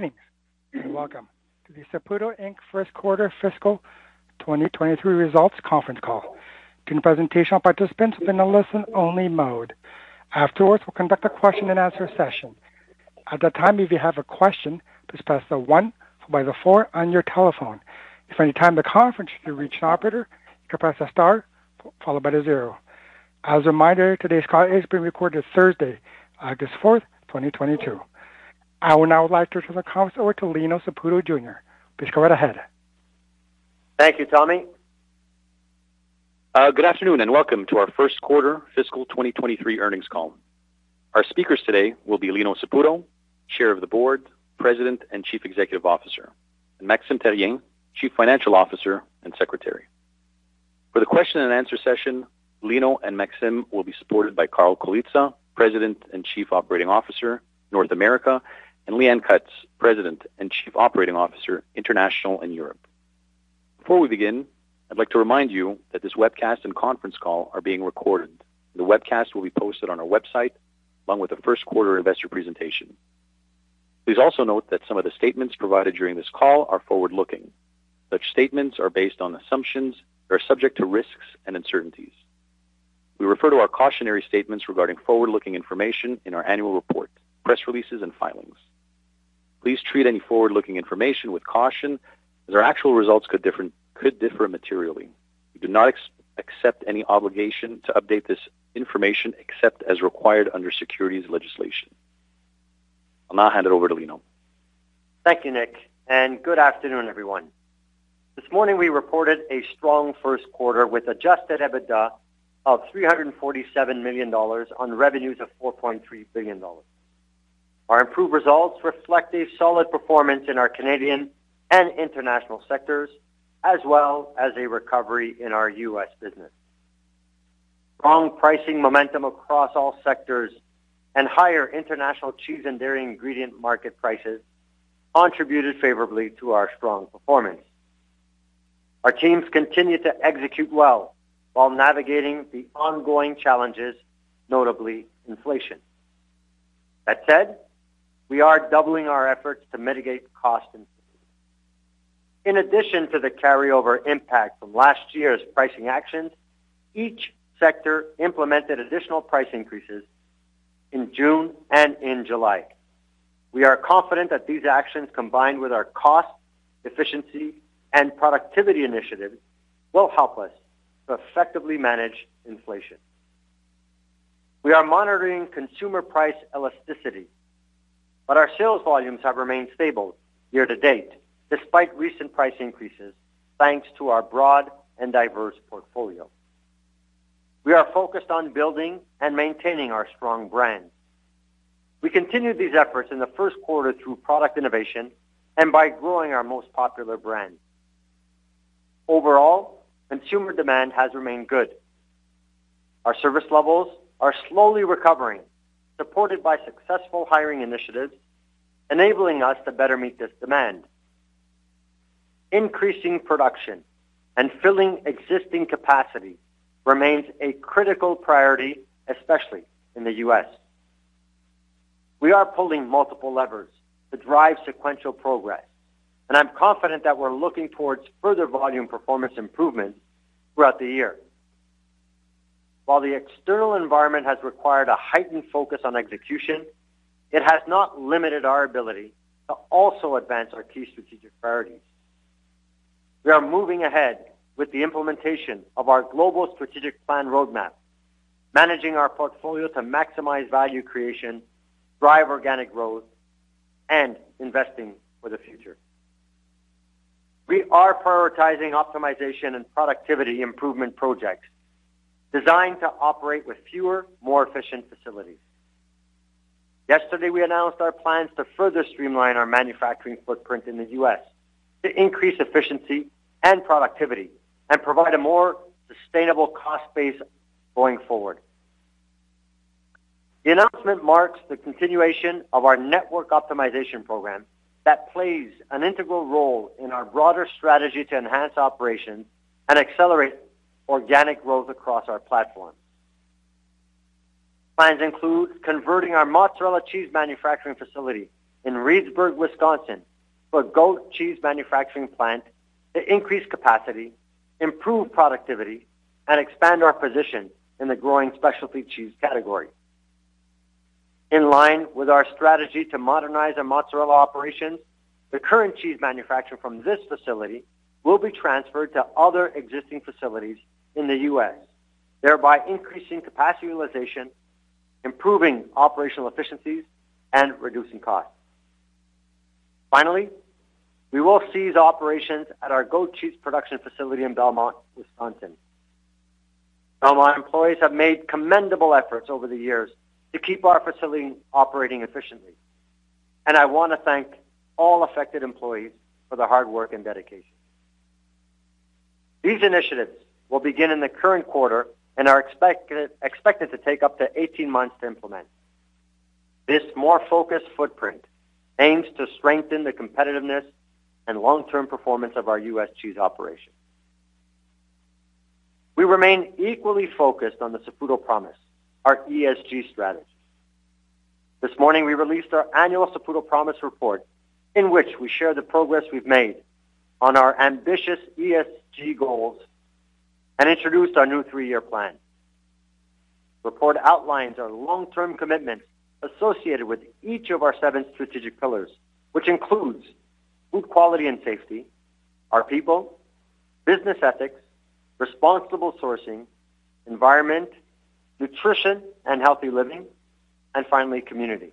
Greetings and welcome to the Saputo Inc. First Quarter Fiscal 2023 results conference call. During the presentation all participants will be in a listen-only mode. Afterwards, we'll conduct a question-and-answer session. At that time, if you have a question, please press the one followed by the four on your telephone. At any time in the conference you reach an operator, you can press star followed by the zero. As a reminder, today's call is being recorded. Thursday, August 4, 2022. I would now like to turn the conference over to Lino A. Saputo. Please go right ahead. Thank you, Tommy. Good afternoon, and welcome to our first quarter fiscal 2023 earnings call. Our speakers today will be Lino Saputo, Chair of the Board, President and Chief Executive Officer, and Maxime Therrien, Chief Financial Officer and Secretary. For the question and answer session, Lino and Maxime will be supported by Carl Colizza, President and Chief Operating Officer, North America, and Leanne Cutts, President and Chief Operating Officer, International and Europe. Before we begin, I'd like to remind you that this webcast and conference call are being recorded. The webcast will be posted on our website along with the first quarter investor presentation. Please also note that some of the statements provided during this call are forward-looking. Such statements are based on assumptions and are subject to risks and uncertainties. We refer to our cautionary statements regarding forward-looking information in our annual report, press releases, and filings. Please treat any forward-looking information with caution as our actual results could differ materially. We do not expect any obligation to update this information except as required under securities legislation. I'll now hand it over to Lino. Thank you, Nick, and good afternoon, everyone. This morning we reported a strong first quarter with adjusted EBITDA of 347 million dollars on revenues of 4.3 billion dollars. Our improved results reflect a solid performance in our Canadian and international sectors as well as a recovery in our U.S. business. Strong pricing momentum across all sectors and higher international cheese and dairy ingredient market prices contributed favorably to our strong performance. Our teams continued to execute well while navigating the ongoing challenges, notably inflation. That said, we are doubling our efforts to mitigate cost increases. In addition to the carryover impact from last year's pricing actions, each sector implemented additional price increases in June and in July. We are confident that these actions, combined with our cost, efficiency, and productivity initiatives, will help us to effectively manage inflation. We are monitoring consumer price elasticity, but our sales volumes have remained stable year to date despite recent price increases, thanks to our broad and diverse portfolio. We are focused on building and maintaining our strong brands. We continued these efforts in the first quarter through product innovation and by growing our most popular brands. Overall, consumer demand has remained good. Our service levels are slowly recovering, supported by successful hiring initiatives, enabling us to better meet this demand. Increasing production and filling existing capacity remains a critical priority, especially in the U.S. We are pulling multiple levers to drive sequential progress, and I'm confident that we're looking towards further volume performance improvements throughout the year. While the external environment has required a heightened focus on execution, it has not limited our ability to also advance our key strategic priorities. We are moving ahead with the implementation of our global strategic plan roadmap, managing our portfolio to maximize value creation, drive organic growth, and investing for the future. We are prioritizing optimization and productivity improvement projects designed to operate with fewer, more efficient facilities. Yesterday, we announced our plans to further streamline our manufacturing footprint in the U.S. to increase efficiency and productivity and provide a more sustainable cost base going forward. The announcement marks the continuation of our network optimization program that plays an integral role in our broader strategy to enhance operations and accelerate organic growth across our platform. Plans include converting our mozzarella cheese manufacturing facility in Reedsburg, Wisconsin, to a goat cheese manufacturing plant to increase capacity, improve productivity, and expand our position in the growing specialty cheese category. In line with our strategy to modernize our mozzarella operations, the current cheese manufacturing from this facility will be transferred to other existing facilities in the U.S., thereby increasing capacity utilization, improving operational efficiencies, and reducing costs. Finally, we will cease operations at our goat cheese production facility in Belmont, Wisconsin. Belmont employees have made commendable efforts over the years to keep our facility operating efficiently, and I want to thank all affected employees for their hard work and dedication. These initiatives will begin in the current quarter and are expected to take up to 18 months to implement. This more focused footprint aims to strengthen the competitiveness and long-term performance of our U.S. cheese operation. We remain equally focused on the Saputo Promise, our ESG strategy. This morning, we released our annual Saputo Promise report, in which we share the progress we've made on our ambitious ESG goals and introduce our new three-year plan. Report outlines our long-term commitment associated with each of our seven strategic pillars, which includes food quality and safety, our people, business ethics, responsible sourcing, environment, nutrition and healthy living, and finally, community.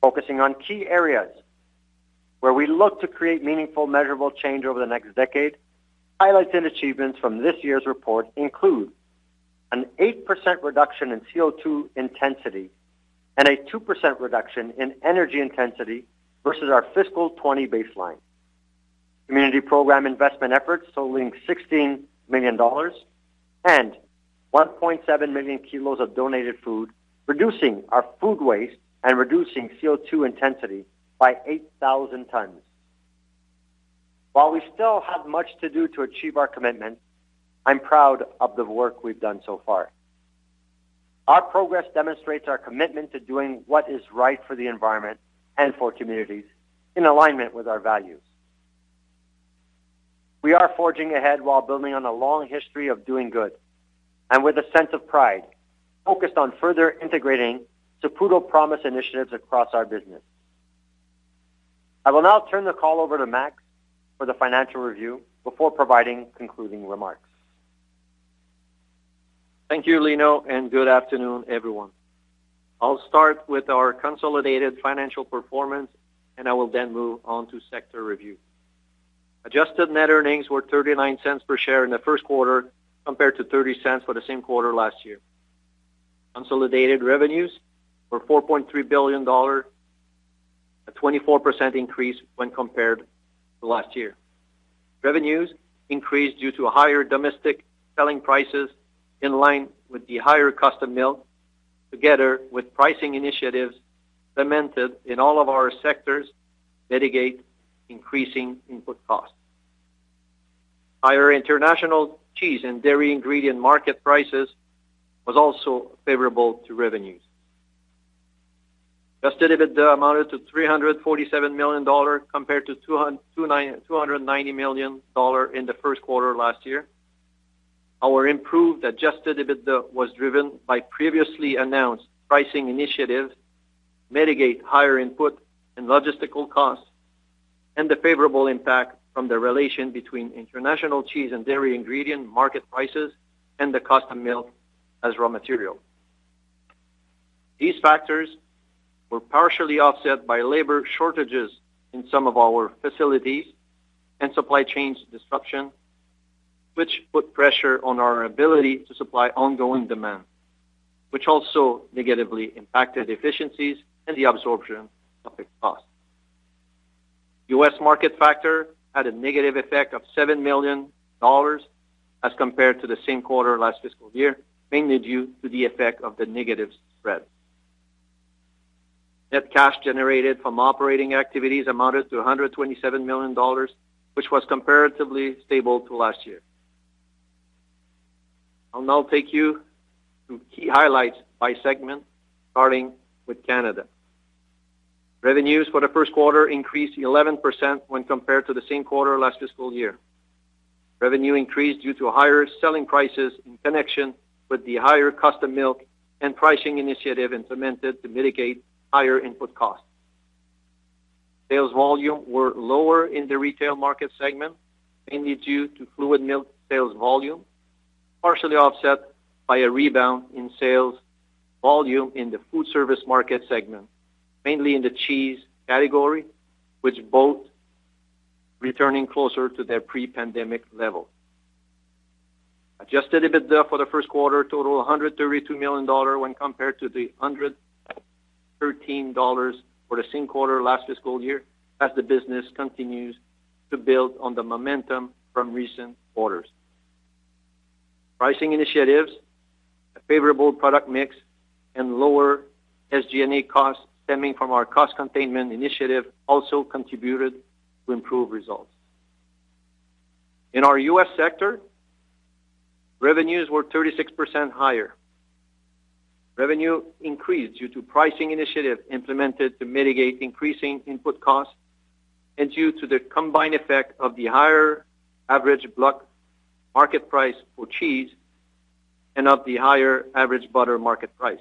Focusing on key areas where we look to create meaningful, measurable change over the next decade, highlights and achievements from this year's report include an 8% reduction in CO₂ intensity and a 2% reduction in energy intensity versus our Fiscal 2020 baseline. Community program investment efforts totaling 16 million dollars and 1.7 million kilos of donated food, reducing our food waste and reducing CO₂ intensity by 8,000 tons. While we still have much to do to achieve our commitment, I'm proud of the work we've done so far. Our progress demonstrates our commitment to doing what is right for the environment and for communities in alignment with our values. We are forging ahead while building on a long history of doing good and with a sense of pride focused on further integrating Saputo Promise initiatives across our business. I will now turn the call over to Maxime for the financial review before providing concluding remarks. Thank you, Lino, and good afternoon, everyone. I'll start with our consolidated financial performance, and I will then move on to sector review. Adjusted net earnings were 0.39 per share in the first quarter compared to 0.30 for the same quarter last year. Consolidated revenues were 4.3 billion dollars, a 24% increase when compared to last year. Revenues increased due to higher domestic selling prices in line with the higher cost of milk, together with pricing initiatives implemented in all of our sectors to mitigate increasing input costs. Higher international cheese and dairy ingredient market prices was also favorable to revenues. Adjusted EBITDA amounted to 347 million dollar compared to 290 million dollar in the first quarter last year. Our improved adjusted EBITDA was driven by previously announced pricing initiatives to mitigate higher input and logistical costs, and the favorable impact from the relation between international cheese and dairy ingredient market prices and the cost of milk as raw material. These factors were partially offset by labor shortages in some of our facilities and supply chain disruptions, which put pressure on our ability to supply ongoing demand, which also negatively impacted efficiencies and the absorption of fixed costs. U.S. market factor had a negative effect of 7 million dollars as compared to the same quarter last fiscal year, mainly due to the effect of the negative spread. Net cash generated from operating activities amounted to 127 million dollars, which was comparatively stable to last year. I'll now take you through key highlights by segment, starting with Canada. Revenues for the first quarter increased 11% when compared to the same quarter last fiscal year. Revenue increased due to higher selling prices in connection with the higher custom milk and pricing initiative implemented to mitigate higher input costs. Sales volume were lower in the retail market segment, mainly due to fluid milk sales volume, partially offset by a rebound in sales volume in the food service market segment, mainly in the cheese category, which both returning closer to their pre-pandemic level. Adjusted EBITDA for the first quarter totaled 132 million dollars when compared to 113 million dollars for the same quarter last fiscal year, as the business continues to build on the momentum from recent quarters. Pricing initiatives, a favorable product mix, and lower SG&A costs stemming from our cost containment initiative also contributed to improved results. In our U.S. sector, revenues were 36% higher. Revenue increased due to pricing initiative implemented to mitigate increasing input costs and due to the combined effect of the higher average block market price for cheese and of the higher average butter market price.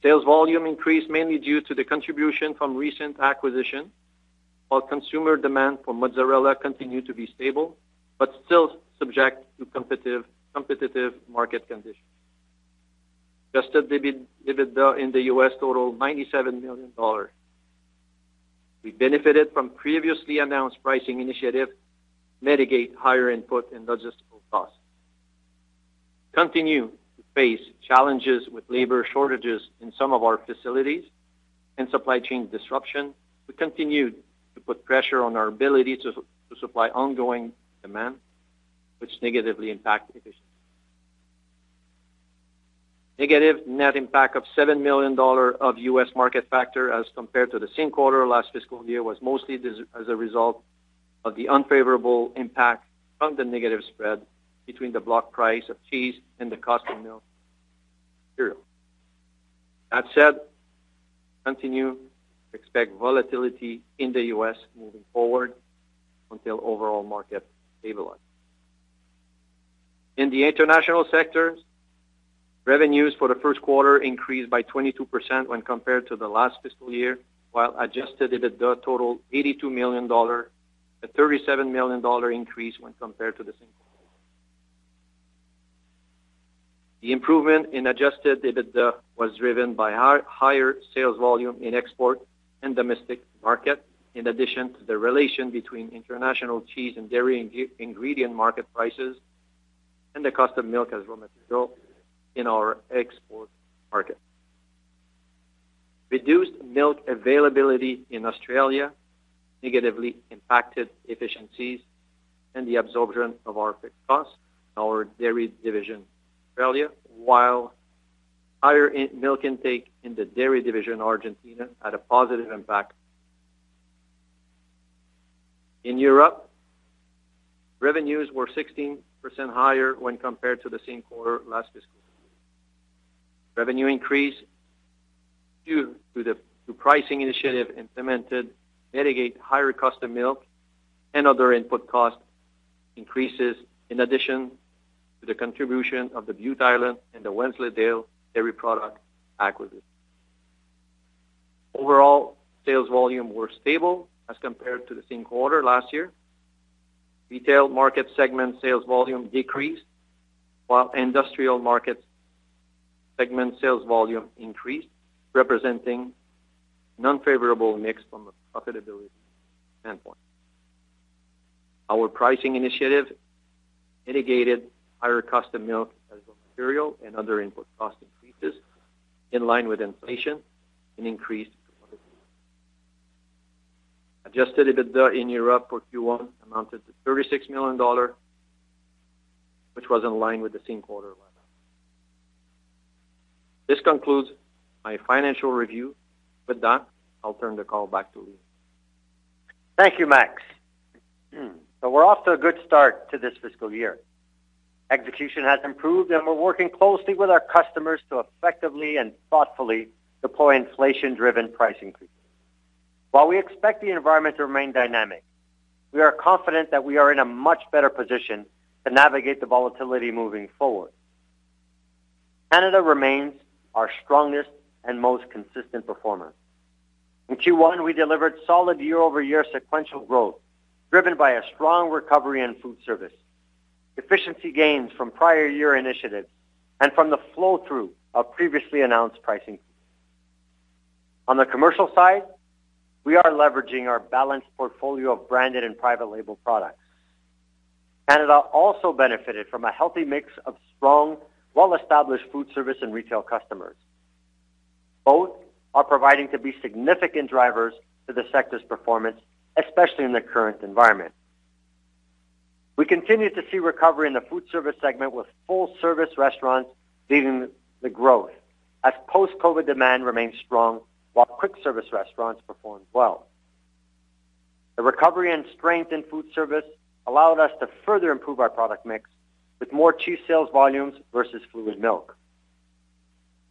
Sales volume increased mainly due to the contribution from recent acquisition, while consumer demand for mozzarella continued to be stable but still subject to competitive market conditions. Adjusted EBITDA in the U.S. totaled 97 million dollar. We benefited from previously announced pricing initiative, mitigate higher input and logistical costs. Continue to face challenges with labor shortages in some of our facilities and supply chain disruption, which continued to put pressure on our ability to supply ongoing demand, which negatively impacted efficiency. Negative net impact of 7 million dollar of US market factor as compared to the same quarter last fiscal year was mostly as a result of the unfavorable impact from the negative spread between the block price of cheese and the cost of milk material. That said, continue to expect volatility in the U.S. moving forward until overall market stabilize. In the international sectors, revenues for the first quarter increased by 22% when compared to the last fiscal year, while adjusted EBITDA totaled 82 million dollar, a 37 million dollar increase when compared to the same quarter. The improvement in adjusted EBITDA was driven by higher sales volume in export and domestic markets, in addition to the relation between international cheese and dairy ingredient market prices and the cost of milk as raw material in our export market. Reduced milk availability in Australia negatively impacted efficiencies and the absorption of our fixed costs in our dairy division in Australia, while higher milk intake in the dairy division in Argentina had a positive impact. In Europe, revenues were 16% higher when compared to the same quarter last fiscal year. Revenue increase due to the pricing initiative implemented mitigate higher cost of milk and other input cost increases, in addition to the contribution of the Bute Island and the Wensleydale Dairy Products acquisition. Overall, sales volume were stable as compared to the same quarter last year. Retail market segment sales volume decreased, while industrial market segment sales volume increased, representing an unfavorable mix from a profitability standpoint. Our pricing initiative mitigated higher cost of milk as raw material and other input cost increases in line with inflation and increased profitability. Adjusted EBITDA in Europe for Q1 amounted to 36 million dollars, which was in line with the same quarter last year. This concludes my financial review. With that, I'll turn the call back to Lino. Thank you, Max. We're off to a good start to this fiscal year. Execution has improved, and we're working closely with our customers to effectively and thoughtfully deploy inflation-driven price increases. While we expect the environment to remain dynamic, we are confident that we are in a much better position to navigate the volatility moving forward. Canada remains our strongest and most consistent performer. In Q1, we delivered solid year-over-year sequential growth, driven by a strong recovery in food service, efficiency gains from prior year initiatives, and from the flow-through of previously announced price increases. On the commercial side, we are leveraging our balanced portfolio of branded and private label products. Canada also benefited from a healthy mix of strong, well-established food service and retail customers. Both are proving to be significant drivers to the sector's performance, especially in the current environment. We continue to see recovery in the food service segment with full-service restaurants leading the growth as post-COVID demand remains strong, while quick-service restaurants performed well. The recovery and strength in food service allowed us to further improve our product mix with more cheese sales volumes versus fluid milk.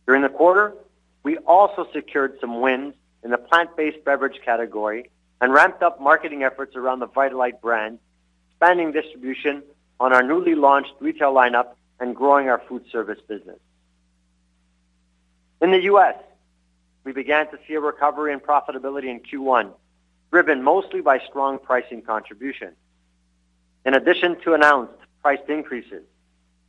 During the quarter, we also secured some wins in the plant-based beverage category and ramped up marketing efforts around the Vitalite brand, expanding distribution on our newly launched retail lineup and growing our food service business. In the U.S., we began to see a recovery in profitability in Q1, driven mostly by strong pricing contribution. In addition to announced price increases,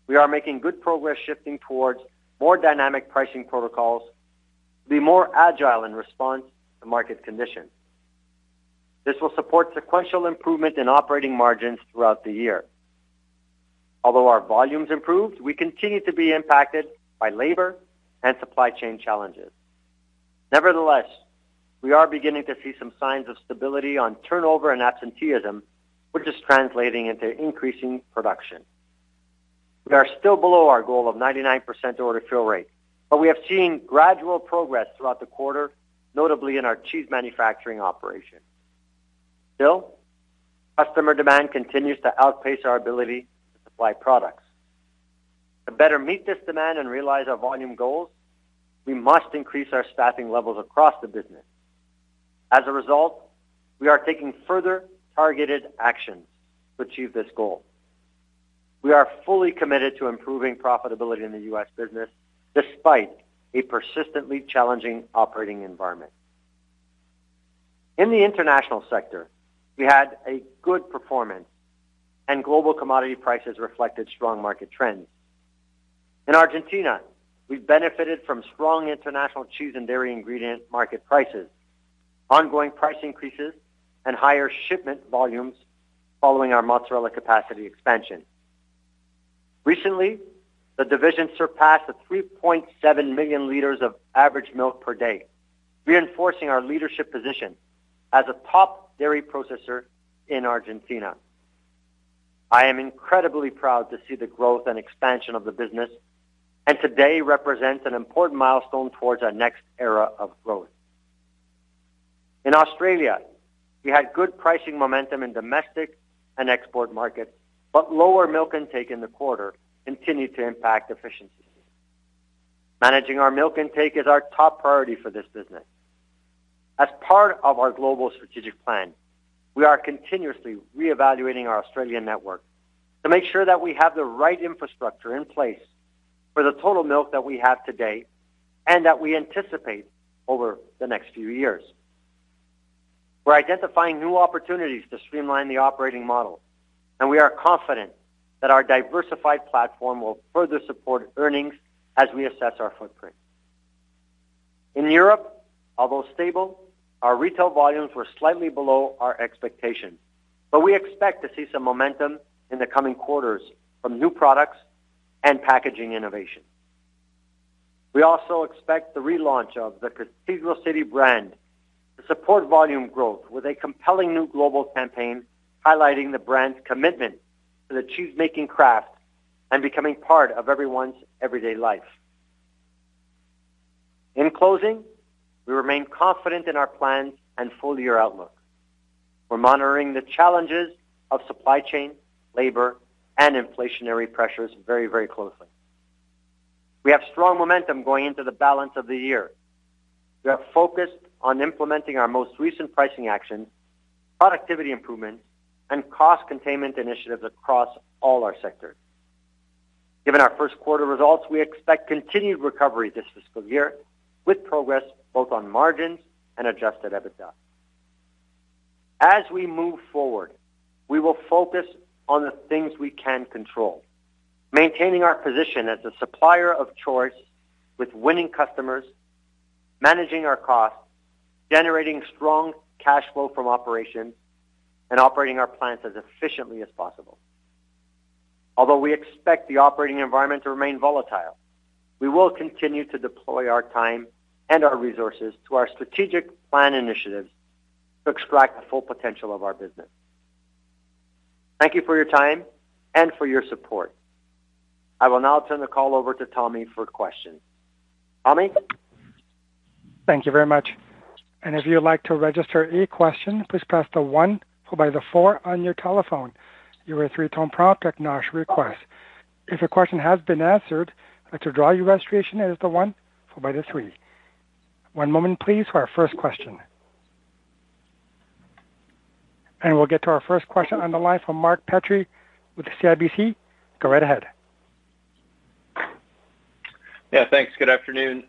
we are making good progress shifting towards more dynamic pricing protocols to be more agile in response to market conditions. This will support sequential improvement in operating margins throughout the year. Although our volumes improved, we continue to be impacted by labor and supply chain challenges. Nevertheless, we are beginning to see some signs of stability on turnover and absenteeism, which is translating into increasing production. We are still below our goal of 99% order fill rate, but we have seen gradual progress throughout the quarter, notably in our cheese manufacturing operation. Still, customer demand continues to outpace our ability to supply products. To better meet this demand and realize our volume goals, we must increase our staffing levels across the business. As a result, we are taking further targeted actions to achieve this goal. We are fully committed to improving profitability in the US business despite a persistently challenging operating environment. In the international sector, we had a good performance and global commodity prices reflected strong market trends. In Argentina, we've benefited from strong international cheese and dairy ingredient market prices, ongoing price increases, and higher shipment volumes following our mozzarella capacity expansion. Recently, the division surpassed the 3.7 million L of average milk per day, reinforcing our leadership position as a top dairy processor in Argentina. I am incredibly proud to see the growth and expansion of the business, and today represents an important milestone towards our next era of growth. In Australia, we had good pricing momentum in domestic and export markets, but lower milk intake in the quarter continued to impact efficiencies. Managing our milk intake is our top priority for this business. As part of our global Strategic Plan, we are continuously reevaluating our Australian network to make sure that we have the right infrastructure in place for the total milk that we have today and that we anticipate over the next few years. We're identifying new opportunities to streamline the operating model, and we are confident that our diversified platform will further support earnings as we assess our footprint. In Europe, although stable, our retail volumes were slightly below our expectations, but we expect to see some momentum in the coming quarters from new products and packaging innovation. We also expect the relaunch of the Cathedral City brand to support volume growth with a compelling new global campaign highlighting the brand's commitment to the cheesemaking craft and becoming part of everyone's everyday life. In closing, we remain confident in our plans and full year outlook. We're monitoring the challenges of supply chain, labor, and inflationary pressures very, very closely. We have strong momentum going into the balance of the year. We are focused on implementing our most recent pricing actions, productivity improvements, and cost containment initiatives across all our sectors. Given our first quarter results, we expect continued recovery this fiscal year with progress both on margins and adjusted EBITDA. As we move forward, we will focus on the things we can control, maintaining our position as a supplier of choice with winning customers, managing our costs, generating strong cash flow from operations, and operating our plants as efficiently as possible. Although we expect the operating environment to remain volatile, we will continue to deploy our time and our resources to our strategic plan initiatives to extract the full potential of our business. Thank you for your time and for your support. I will now turn the call over to Tommy for questions. Tommy? Thank you very much. If you would like to register a question, please press the one followed by the four on your telephone. You will hear a three-tone prompt to acknowledge your request. If a question has been answered, to withdraw your registration, it is the one followed by the three. One moment please for our first question. We'll get to our first question on the line from Mark Petrie with CIBC. Go right ahead. Yeah, thanks. Good afternoon.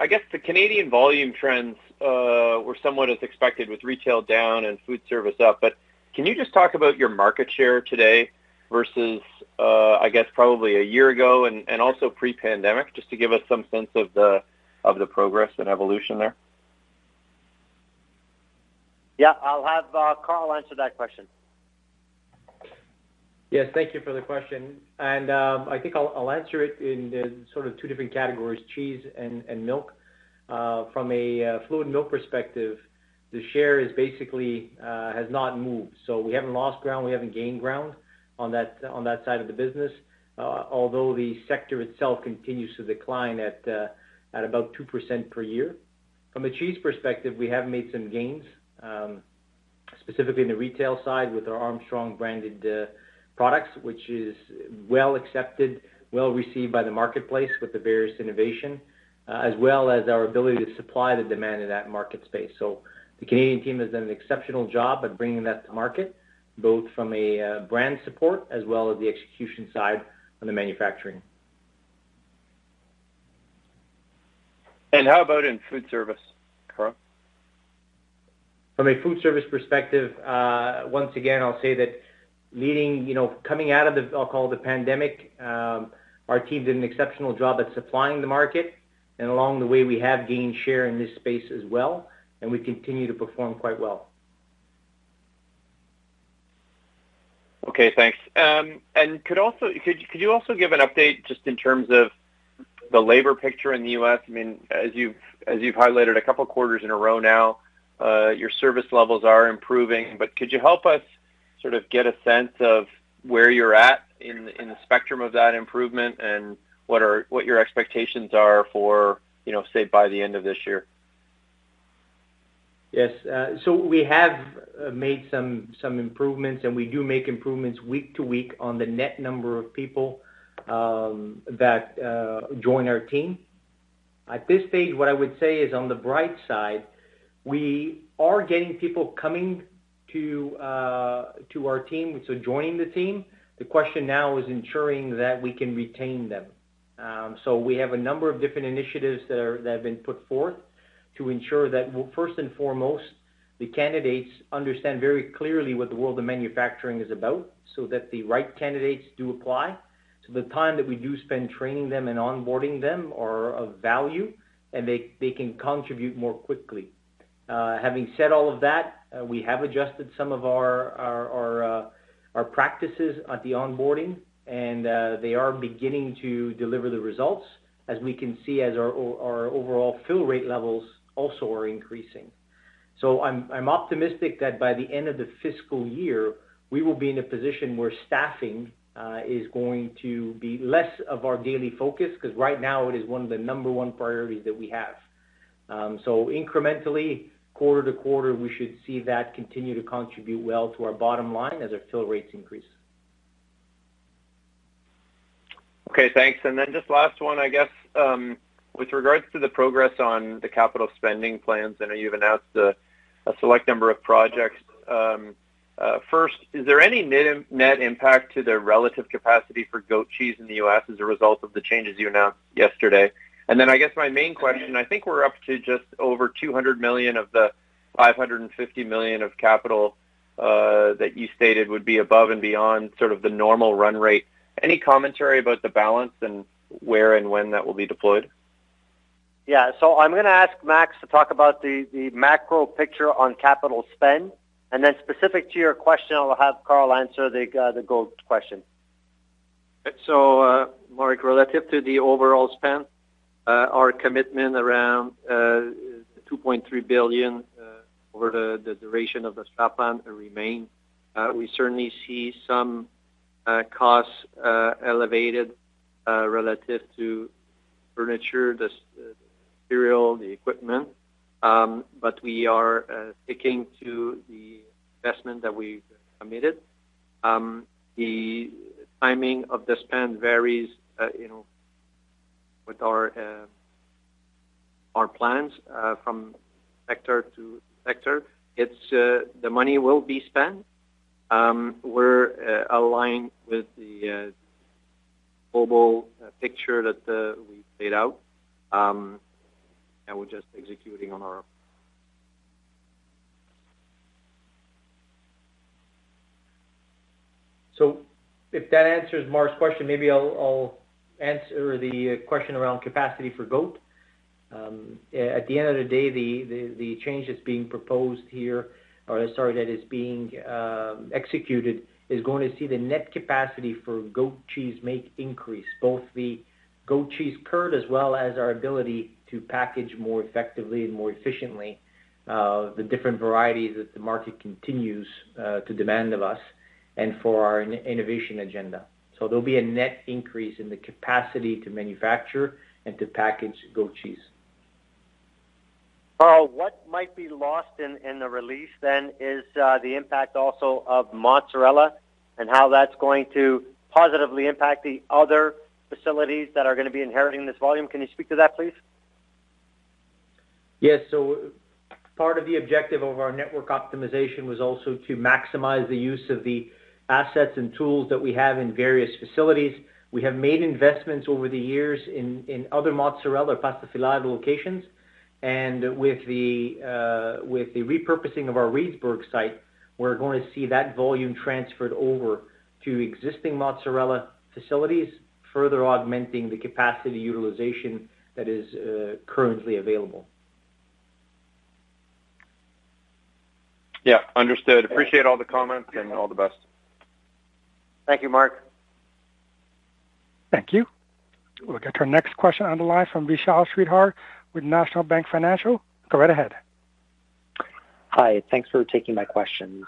I guess the Canadian volume trends were somewhat as expected with retail down and food service up. Can you just talk about your market share today versus, I guess probably a year ago and also pre-pandemic, just to give us some sense of the progress and evolution there? Yeah, I'll have Carl answer that question. Yes, thank you for the question. I think I'll answer it in the sort of two different categories, cheese and milk. From a fluid milk perspective, the share basically has not moved. We haven't lost ground, we haven't gained ground on that side of the business, although the sector itself continues to decline at about 2% per year. From a cheese perspective, we have made some gains, specifically in the retail side with our Armstrong branded products, which is well accepted, well received by the marketplace with the various innovation, as well as our ability to supply the demand in that market space. The Canadian team has done an exceptional job at bringing that to market, both from a brand support as well as the execution side on the manufacturing. How about in food service, Carl? From a food service perspective, once again, I'll say that. You know, coming out of the, I'll call it the pandemic, our team did an exceptional job at supplying the market, and along the way, we have gained share in this space as well, and we continue to perform quite well. Okay, thanks. Could you also give an update just in terms of the labor picture in the U.S.? I mean, as you've highlighted a couple quarters in a row now, your service levels are improving. Could you help us sort of get a sense of where you're at in the spectrum of that improvement and what your expectations are for, you know, say, by the end of this year? Yes. We have made some improvements, and we do make improvements week to week on the net number of people that join our team. At this stage, what I would say is on the bright side, we are getting people coming to our team, so joining the team. The question now is ensuring that we can retain them. We have a number of different initiatives that have been put forth to ensure that, well, first and foremost, the candidates understand very clearly what the world of manufacturing is about, so that the right candidates do apply. The time that we do spend training them and onboarding them are of value, and they can contribute more quickly. Having said all of that, we have adjusted some of our our practices at the onboarding, and they are beginning to deliver the results as we can see as our our overall fill rate levels also are increasing. I'm optimistic that by the end of the fiscal year, we will be in a position where staffing is going to be less of our daily focus, 'cause right now it is one of the number one priorities that we have. Incrementally, quarter to quarter, we should see that continue to contribute well to our bottom line as our fill rates increase. Okay, thanks. Just last one, I guess, with regards to the progress on the capital spending plans. I know you've announced a select number of projects. First, is there any net impact to the relative capacity for goat cheese in the U.S. as a result of the changes you announced yesterday? Then I guess my main question. I think we're up to just over 200 million of the 550 million of capital that you stated would be above and beyond sort of the normal run rate. Any commentary about the balance and where and when that will be deployed? I'm gonna ask Max to talk about the macro picture on capital spend. Then specific to your question, I will have Carl answer the goal question. Mark, relative to the overall spend, our commitment around 2.3 billion over the duration of the strat plan remains. We certainly see some costs elevated relative to further, the steel material, the equipment. But we are sticking to the investment that we've committed. The timing of the spend varies, you know, with our plans from sector to sector. It's the money will be spent. We're aligned with the global picture that we laid out, and we're just executing on our. If that answers Mark's question, maybe I'll answer the question around capacity for goat. At the end of the day, the change that's being proposed here, or sorry, that is being executed, is gonna see the net capacity for goat cheese make increase, both the goat cheese curd as well as our ability to package more effectively and more efficiently, the different varieties that the market continues to demand of us and for our innovation agenda. There'll be a net increase in the capacity to manufacture and to package goat cheese. Carl, what might be lost in the release then is the impact also of mozzarella and how that's going to positively impact the other facilities that are gonna be inheriting this volume. Can you speak to that, please? Yes. Part of the objective of our network optimization was also to maximize the use of the assets and tools that we have in various facilities. We have made investments over the years in other mozzarella pasta filata locations. With the repurposing of our Reedsburg site, we're gonna see that volume transferred over to existing mozzarella facilities, further augmenting the capacity utilization that is currently available. Yeah. Understood. Appreciate all the comments and all the best. Thank you, Mark. Thank you. We'll get our next question on the line from Vishal Shreedhar with National Bank Financial. Go right ahead. Hi. Thanks for taking my questions.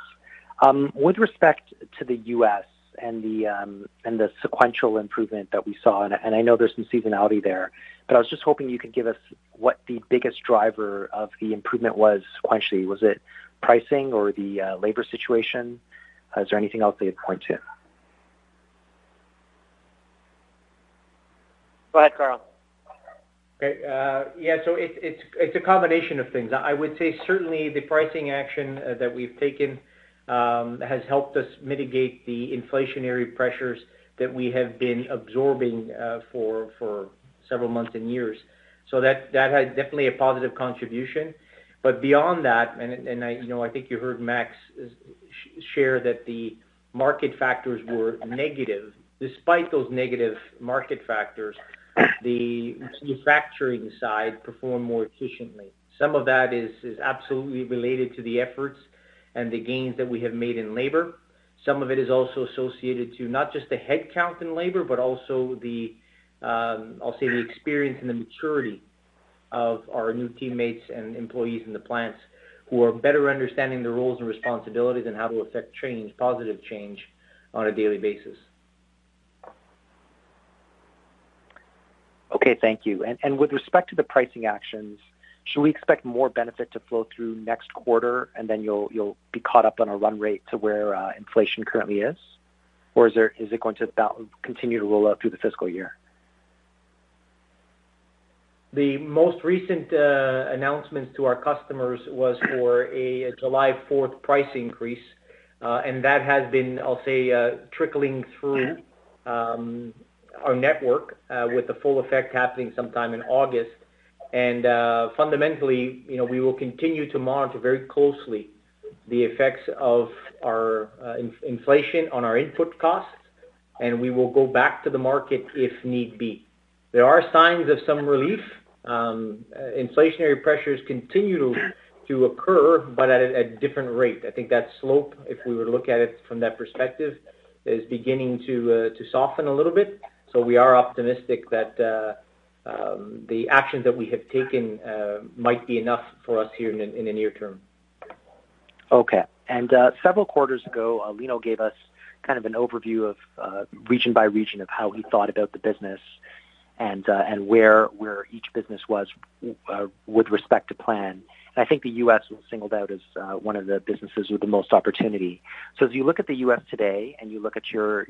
With respect to the U.S. and the sequential improvement that we saw, and I know there's some seasonality there, but I was just hoping you could give us what the biggest driver of the improvement was sequentially. Was it pricing or the labor situation? Is there anything else that you'd point to? Go ahead, Carl. It's a combination of things. I would say certainly the pricing action that we've taken has helped us mitigate the inflationary pressures that we have been absorbing for several months and years. That had definitely a positive contribution. Beyond that, you know, I think you heard Maxime share that the market factors were negative. Despite those negative market factors, the manufacturing side performed more efficiently. Some of that is absolutely related to the efforts and the gains that we have made in labor. Some of it is also associated to not just the headcount in labor, but also the, I'll say the experience and the maturity of our new teammates and employees in the plants who are better understanding the roles and responsibilities and how to affect change, positive change on a daily basis. Okay. Thank you. With respect to the pricing actions, should we expect more benefit to flow through next quarter, and then you'll be caught up on a run rate to where inflation currently is? Or is it going to continue to roll out through the fiscal year? The most recent announcement to our customers was for a July fourth price increase, and that has been, I'll say, trickling through our network, with the full effect happening sometime in August. Fundamentally, you know, we will continue to monitor very closely the effects of our inflation on our input costs, and we will go back to the market if need be. There are signs of some relief. Inflationary pressures continue to occur, but at a different rate. I think that slope, if we were to look at it from that perspective, is beginning to soften a little bit. We are optimistic that, The actions that we have taken might be enough for us here in the near term. Okay. Several quarters ago, Lino gave us kind of an overview of region by region of how he thought about the business and where each business was with respect to plan. I think the U.S. was singled out as one of the businesses with the most opportunity. As you look at the US today and you look at your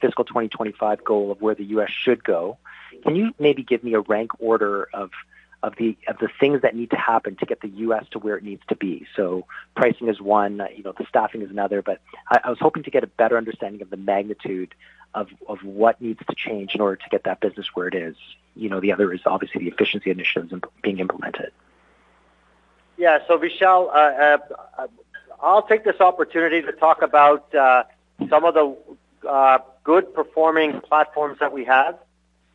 fiscal 2025 goal of where the US should go, can you maybe give me a rank order of the things that need to happen to get the U.S. to where it needs to be? Pricing is one, you know, the staffing is another. I was hoping to get a better understanding of the magnitude of what needs to change in order to get that business where it is. You know, the other is obviously the efficiency initiatives being implemented. Yeah. Vishal, I'll take this opportunity to talk about some of the good performing platforms that we have,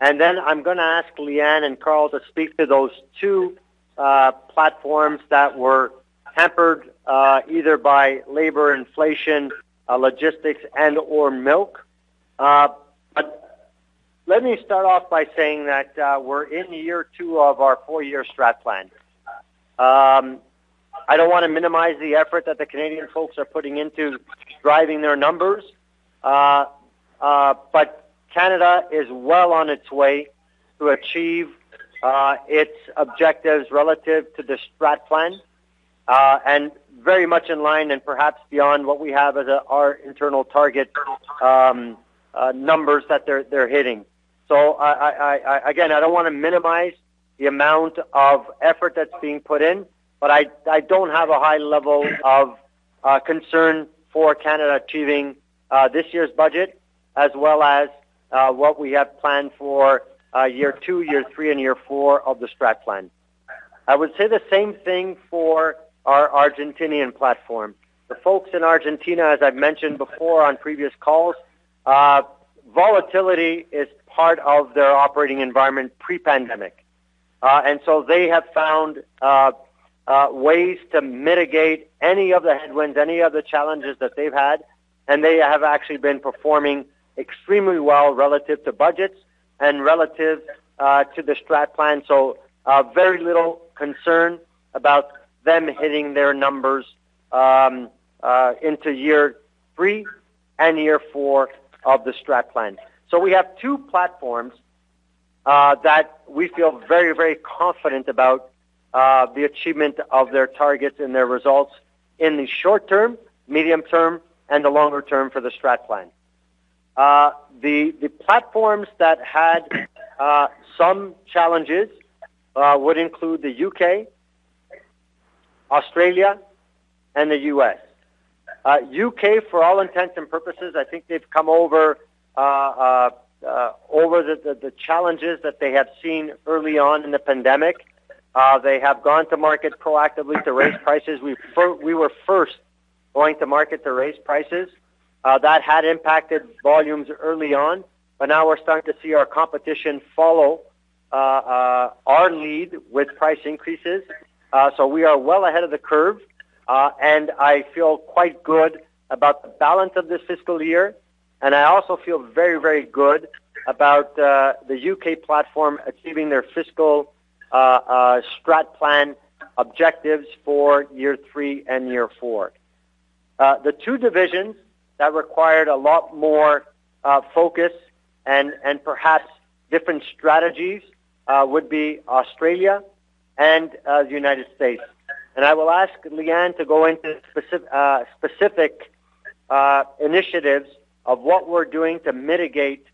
and then I'm gonna ask Leanne and Carl to speak to those two platforms that were hampered either by labor inflation, logistics and/or milk. Let me start off by saying that we're in year two of our four-year Strategic Plan. I don't wanna minimize the effort that the Canadian folks are putting into driving their numbers. Canada is well on its way to achieve its objectives relative to the Strategic Plan, and very much in line and perhaps beyond what we have as our internal target numbers that they're hitting. I again don't want to minimize the amount of effort that's being put in, but I don't have a high level of concern for Canada achieving this year's budget as well as what we have planned for year two, year three, and year four of the Strategic Plan. I would say the same thing for our Argentinian platform. The folks in Argentina, as I've mentioned before on previous calls, volatility is part of their operating environment pre-pandemic. They have found ways to mitigate any of the headwinds, any of the challenges that they've had, and they have actually been performing extremely well relative to budgets and relative to the Strategic Plan. Very little concern about them hitting their numbers into year three and year four of the Strategic Plan. We have two platforms that we feel very, very confident about the achievement of their targets and their results in the short term, medium term, and the longer term for the Strategic Plan. The platforms that had some challenges would include the U.K., Australia, and the U.S. U.K., for all intents and purposes, I think they've come over the challenges that they have seen early on in the pandemic. They have gone to market proactively to raise prices. We were first going to market to raise prices that had impacted volumes early on, but now we're starting to see our competition follow our lead with price increases. We are well ahead of the curve, and I feel quite good about the balance of this fiscal year, and I also feel very, very good about the U.K. platform achieving their fiscal Strategic Plan objectives for year three and year four. The two divisions that required a lot more focus and perhaps different strategies would be Australia and the United States. I will ask Leanne to go into specific initiatives of what we're doing to mitigate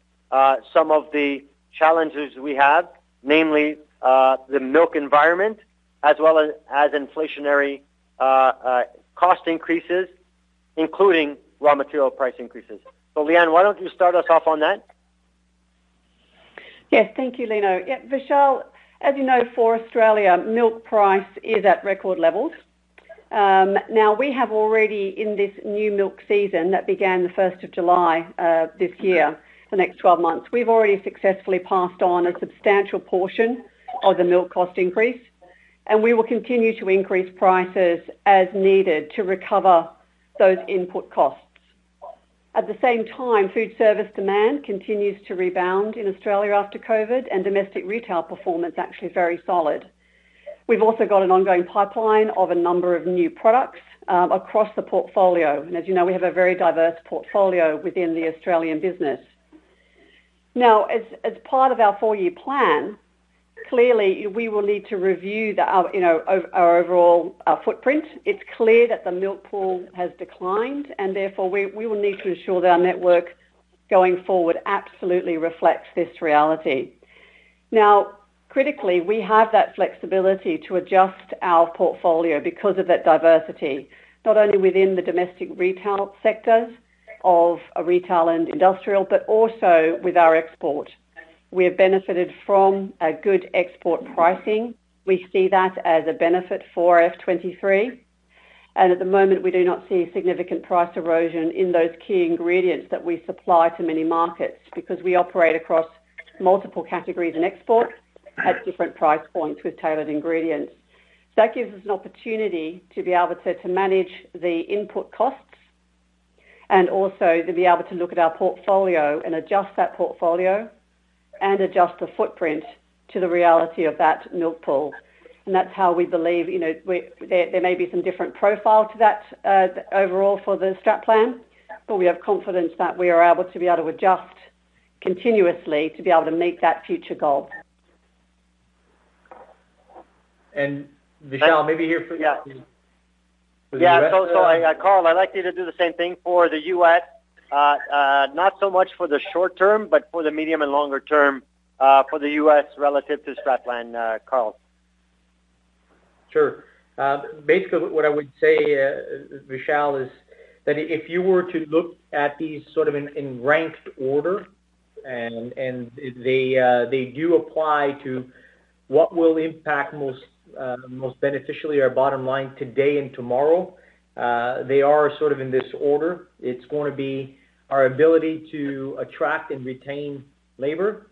some of the challenges we have, namely the milk environment as well as inflationary cost increases, including raw material price increases. Leanne, why don't you start us off on that? Yes. Thank you, Lino. Yeah, Vishal, as you know, for Australia, milk price is at record levels. Now we have already in this new milk season that began the first of July, this year, the next 12 months, we've already successfully passed on a substantial portion of the milk cost increase, and we will continue to increase prices as needed to recover those input costs. At the same time, food service demand continues to rebound in Australia after COVID, and domestic retail performance actually is very solid. We've also got an ongoing pipeline of a number of new products, across the portfolio. as you know, we have a very diverse portfolio within the Australian business. Now, as part of our four-year plan, clearly, we will need to review our, you know, our overall footprint. It's clear that the milk pool has declined, and therefore we will need to ensure that our network going forward absolutely reflects this reality. Now, critically, we have that flexibility to adjust our portfolio because of that diversity, not only within the domestic retail sectors of retail and industrial, but also with our export. We have benefited from a good export pricing. We see that as a benefit for Fiscal 2023. At the moment, we do not see significant price erosion in those key ingredients that we supply to many markets because we operate across multiple categories in export at different price points with tailored ingredients. That gives us an opportunity to be able to manage the input costs. Also to be able to look at our portfolio and adjust that portfolio and adjust the footprint to the reality of that milk pool. That's how we believe, you know, there may be some different profile to that overall for the strat plan, but we have confidence that we are able to adjust continuously to be able to meet that future goal. Vishal, maybe here for you. Carl, I'd like you to do the same thing for the U.S., not so much for the short term, but for the medium and longer term, for the U.S. relative to strat plan, Carl. Sure. Basically what I would say, Vishal, is that if you were to look at these sort of in ranked order and they do apply to what will impact most beneficially our bottom line today and tomorrow, they are sort of in this order. It's gonna be our ability to attract and retain labor.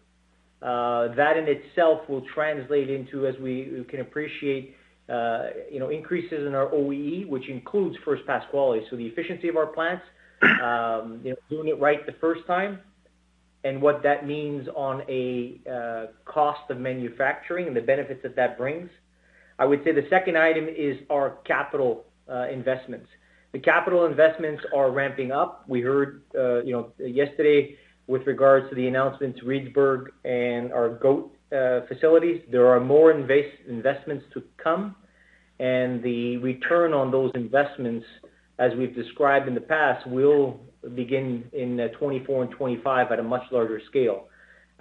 That in itself will translate into, as we can appreciate, you know, increases in our OEE, which includes first pass quality. The efficiency of our plants, doing it right the first time and what that means on a cost of manufacturing and the benefits that that brings. I would say the second item is our capital investments. The capital investments are ramping up. We heard yesterday with regards to the announcements, Reedsburg and our goat facilities. There are more investments to come, and the return on those investments, as we've described in the past, will begin in 2024 and 2025 at a much larger scale.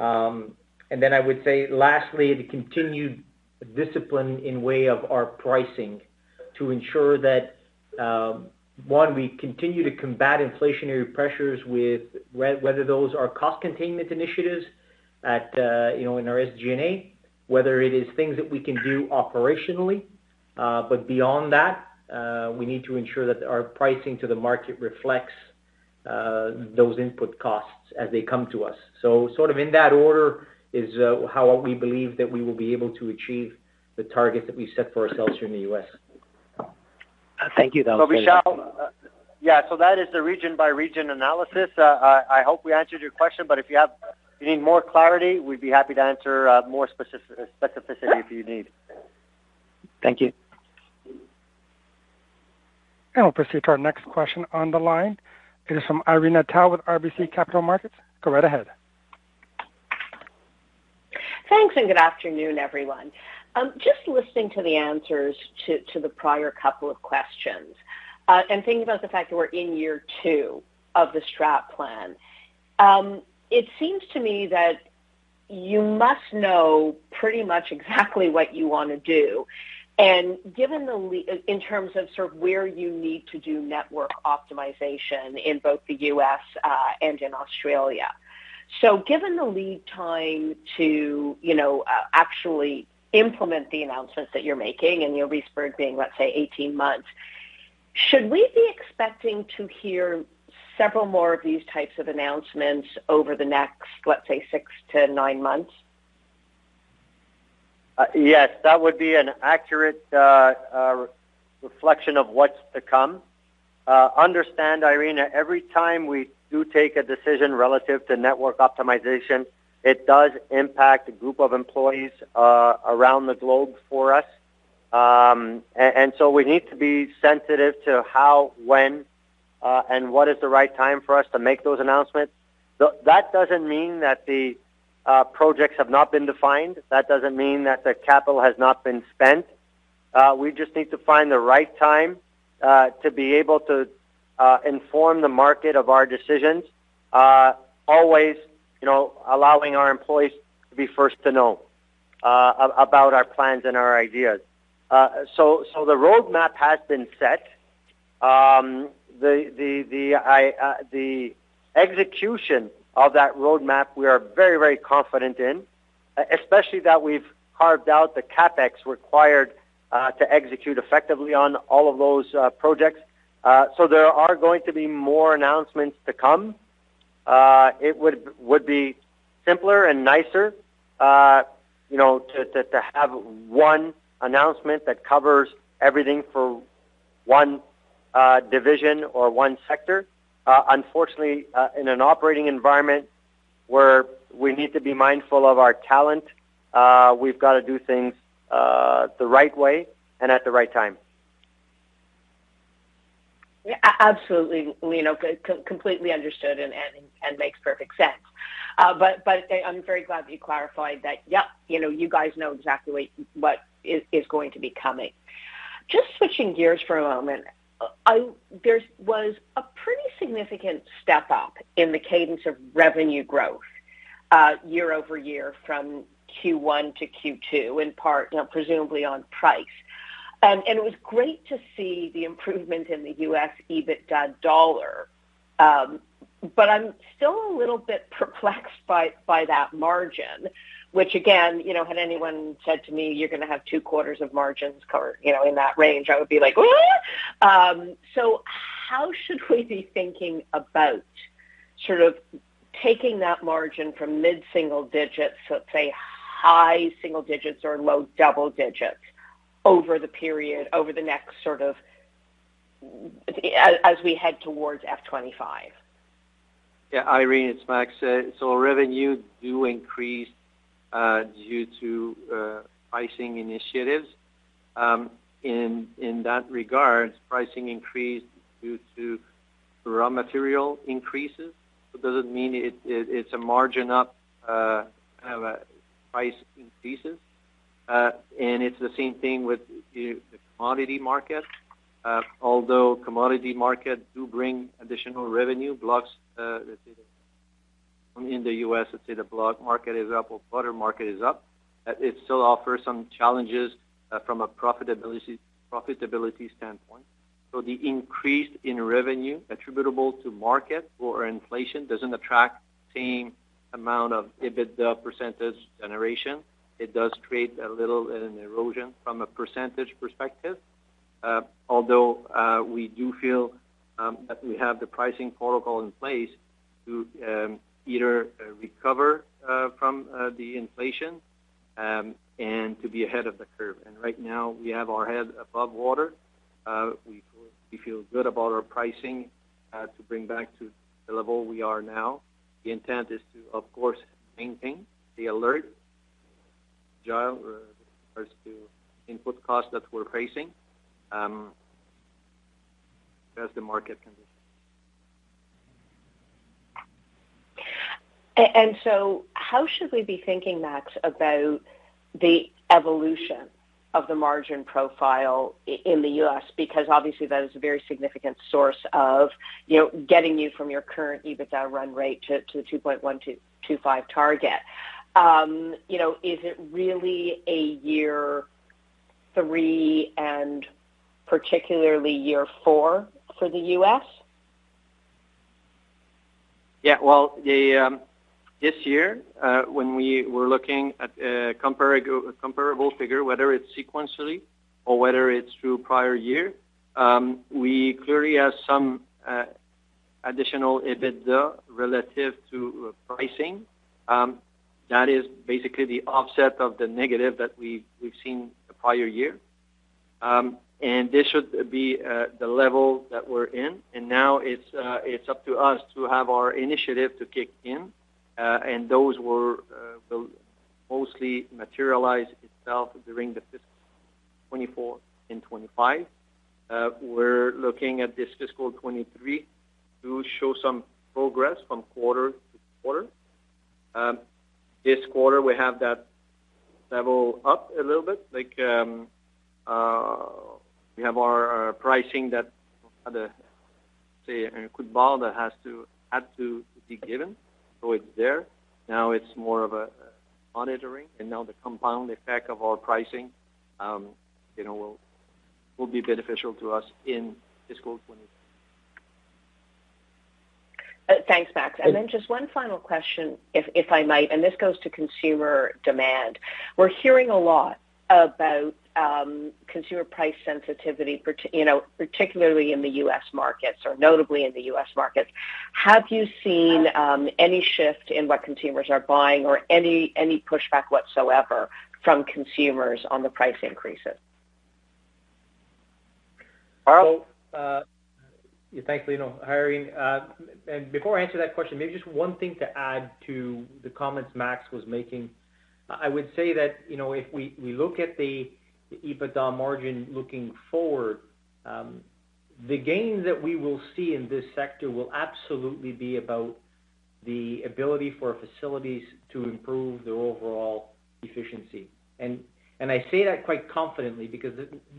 I would say lastly, the continued discipline by way of our pricing to ensure that, one, we continue to combat inflationary pressures with whether those are cost containment initiatives in our SG&A, whether it is things that we can do operationally. Beyond that, we need to ensure that our pricing to the market reflects those input costs as they come to us. Sort of in that order is how we believe that we will be able to achieve the targets that we set for ourselves here in the U.S. Thank you. That was very helpful. Vishal, yeah, so that is the region by region analysis. I hope we answered your question, but if you need more clarity, we'd be happy to answer more specificity if you need. Thank you. We'll proceed to our next question on the line. It is from Irene Nattel with RBC Capital Markets. Go right ahead. Thanks, and good afternoon, everyone. Just listening to the answers to the prior couple of questions, and thinking about the fact that we're in year two of the strat plan, it seems to me that you must know pretty much exactly what you wanna do, and given the lead time to, you know, actually implement the announcements that you're making, and your Reedsburg being, let's say, 18 months, should we be expecting to hear several more of these types of announcements over the next, let's say, 6-9 months? Yes, that would be an accurate reflection of what's to come. Understand, Irene, every time we do take a decision relative to network optimization, it does impact a group of employees around the globe for us. We need to be sensitive to how, when, and what is the right time for us to make those announcements. That doesn't mean that the projects have not been defined. That doesn't mean that the capital has not been spent. We just need to find the right time to be able to inform the market of our decisions, always, you know, allowing our employees to be first to know about our plans and our ideas. The roadmap has been set. The execution of that roadmap, we are very confident in, especially that we've carved out the CapEx required to execute effectively on all of those projects. There are going to be more announcements to come. It would be simpler and nicer, you know, to have one announcement that covers everything for one division or one sector. Unfortunately, in an operating environment where we need to be mindful of our talent, we've got to do things the right way and at the right time. Absolutely, you know, completely understood and makes perfect sense. I'm very glad that you clarified that, yep, you know, you guys know exactly what is going to be coming. Just switching gears for a moment, there was a pretty significant step up in the cadence of revenue growth year-over-year from Q1 to Q2, in part, you know, presumably on price. It was great to see the improvement in the U.S. EBITDA dollar. I'm still a little bit perplexed by that margin, which again, you know, had anyone said to me, "You're gonna have two quarters of margins cover, you know, in that range," I would be like, "Oh?" How should we be thinking about sort of taking that margin from mid-single digits, so let's say high single digits or low double digits over the period, over the next sort of as we head towards Fiscal 2025. Yeah, Irene, it's Max. Revenue do increase due to pricing initiatives. In that regard, pricing increase due to raw material increases. Doesn't mean it's a margin up kind of a price increases. It's the same thing with the commodity market. Although commodity market do bring additional revenue blocks, let's say in the US, let's say the block market is up or butter market is up, it still offers some challenges from a profitability standpoint. The increase in revenue attributable to market or inflation doesn't attract same amount of EBITDA percentage generation. It does create a little an erosion from a percentage perspective. Although we do feel that we have the pricing protocol in place to either recover from the inflation and to be ahead of the curve. Right now, we have our head above water. We feel good about our pricing to bring back to the level we are now. The intent is, of course, to maintain the alert, agile as to input costs that we're facing as the market condition. How should we be thinking, Max, about the evolution of the margin profile in the U.S.? Because obviously that is a very significant source of, you know, getting you from your current EBITDA run rate to 2.12-2.5 target. You know, is it really a year three and particularly year four for the U.S.? Yeah. Well, this year, when we were looking at comparable figure, whether it's sequentially or whether it's through prior year, we clearly have some additional EBITDA relative to pricing. That is basically the offset of the negative that we've seen the prior year. This should be the level that we're in. Now it's up to us to have our initiative to kick in. Those will mostly materialize itself during the fiscal 2024 and 2025. We're looking at this fiscal 2023 to show some progress from quarter-to-quarter. This quarter, we have that level up a little bit. Like, we have our pricing that otherwise had to be given. It's there. Now it's more of a monitoring, and the compound effect of our pricing, you know, will be beneficial to us in Fiscal 2023. Thanks, Max. Then just one final question, if I might, and this goes to consumer demand. We're hearing a lot about consumer price sensitivity, you know, particularly in the U.S. markets, or notably in the U.S. markets. Have you seen any shift in what consumers are buying or any pushback whatsoever from consumers on the price increases? Well, yeah, thanks, you know, Irene. Before I answer that question, maybe just one thing to add to the comments Maxime was making. I would say that, you know, if we look at the EBITDA margin looking forward, the gain that we will see in this sector will absolutely be about the ability for our facilities to improve their overall efficiency. I say that quite confidently because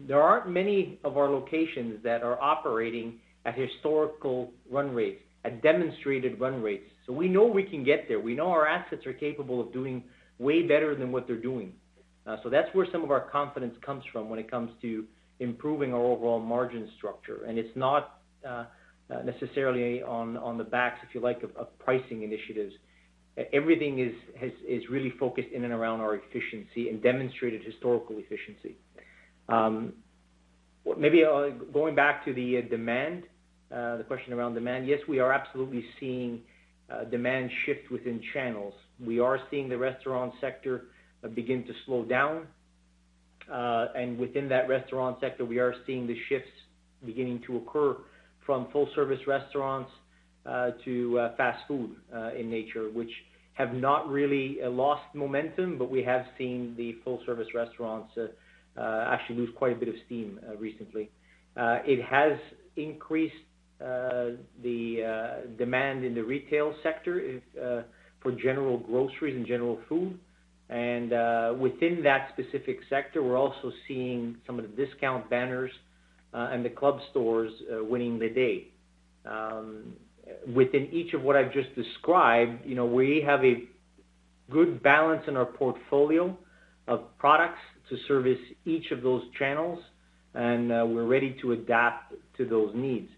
there aren't many of our locations that are operating at historical run rates, at demonstrated run rates. We know we can get there. We know our assets are capable of doing way better than what they're doing. That's where some of our confidence comes from when it comes to improving our overall margin structure. It's not necessarily on the backs, if you like, of pricing initiatives. Everything is really focused in and around our efficiency and demonstrated historical efficiency. Maybe going back to the demand, the question around demand, yes, we are absolutely seeing demand shift within channels. We are seeing the restaurant sector begin to slow down. Within that restaurant sector, we are seeing the shifts beginning to occur from full-service restaurants to fast food in nature, which have not really lost momentum, but we have seen the full service restaurants actually lose quite a bit of steam recently. It has increased the demand in the retail sector for general groceries and general food. Within that specific sector, we're also seeing some of the discount banners and the club stores winning the day. Within each of what I've just described, you know, we have a good balance in our portfolio of products to service each of those channels, and we're ready to adapt to those needs.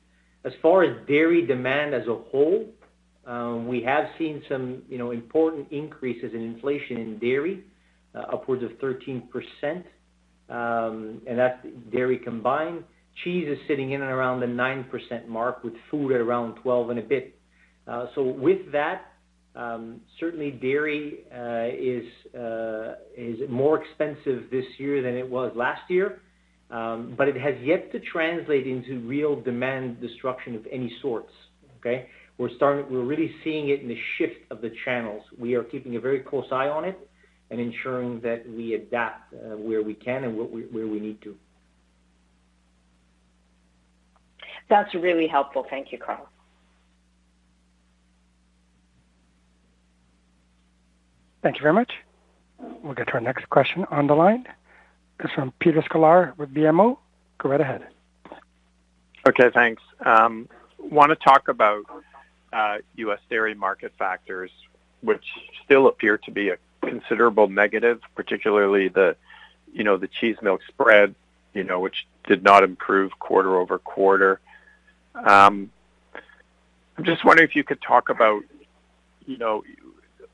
As far as dairy demand as a whole, we have seen some, you know, important increases in inflation in dairy, upwards of 13%, and that's dairy combined. Cheese is sitting in and around the 9% mark, with food at around 12% and a bit. So with that, certainly dairy is more expensive this year than it was last year, but it has yet to translate into real demand destruction of any sorts. Okay. We're really seeing it in the shift of the channels. We are keeping a very close eye on it and ensuring that we adapt, where we can and where we need to. That's really helpful. Thank you, Carl. Thank you very much. We'll get to our next question on the line. It's from Peter Sklar with BMO. Go right ahead. Okay, thanks. Wanna talk about U.S. dairy market factors, which still appear to be a considerable negative, particularly the, you know, the cheese milk spread, you know, which did not improve quarter-over-quarter. I'm just wondering if you could talk about, you know,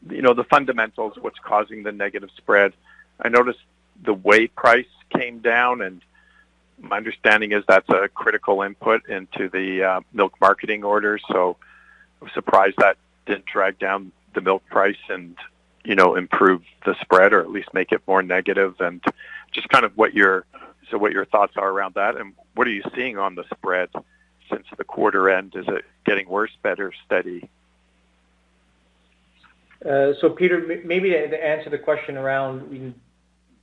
the fundamentals, what's causing the negative spread. I noticed the whey price came down, and my understanding is that's a critical input into the milk marketing order. So I was surprised that didn't drag down the milk price and, you know, improve the spread or at least make it more negative, and just kind of, so what your thoughts are around that, and what are you seeing on the spread since the quarter end? Is it getting worse, better, steady? Peter, maybe to answer the question around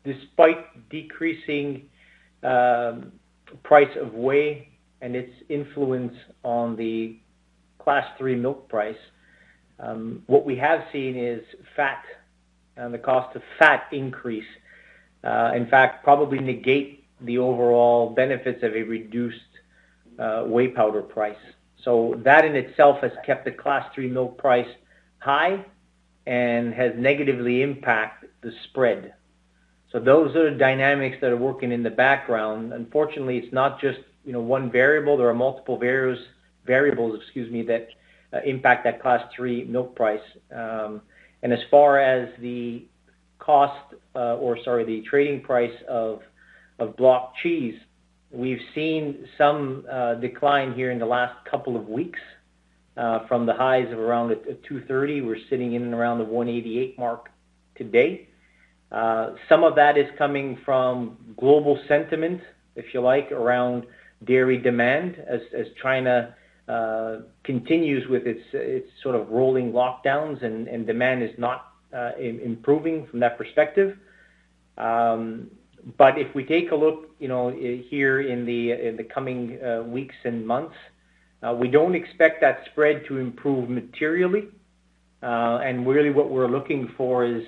despite decreasing price of whey and its influence on the Class III milk price, what we have seen is fat and the cost of fat increase in fact probably negate the overall benefits of a reduced whey powder price. That in itself has kept the Class III milk price high and has negatively impacted the spread. Those are the dynamics that are working in the background. Unfortunately, it's not just, you know, one variable. There are multiple variables that impact that Class III milk price. As far as the trading price of block cheese, we've seen some decline here in the last couple of weeks from the highs of around 2.30. We're sitting in and around the 1.88 mark to date. Some of that is coming from global sentiment, if you like, around dairy demand as China continues with its sort of rolling lockdowns and demand is not improving from that perspective. If we take a look, you know, here in the coming weeks and months, we don't expect that spread to improve materially. Really what we're looking for is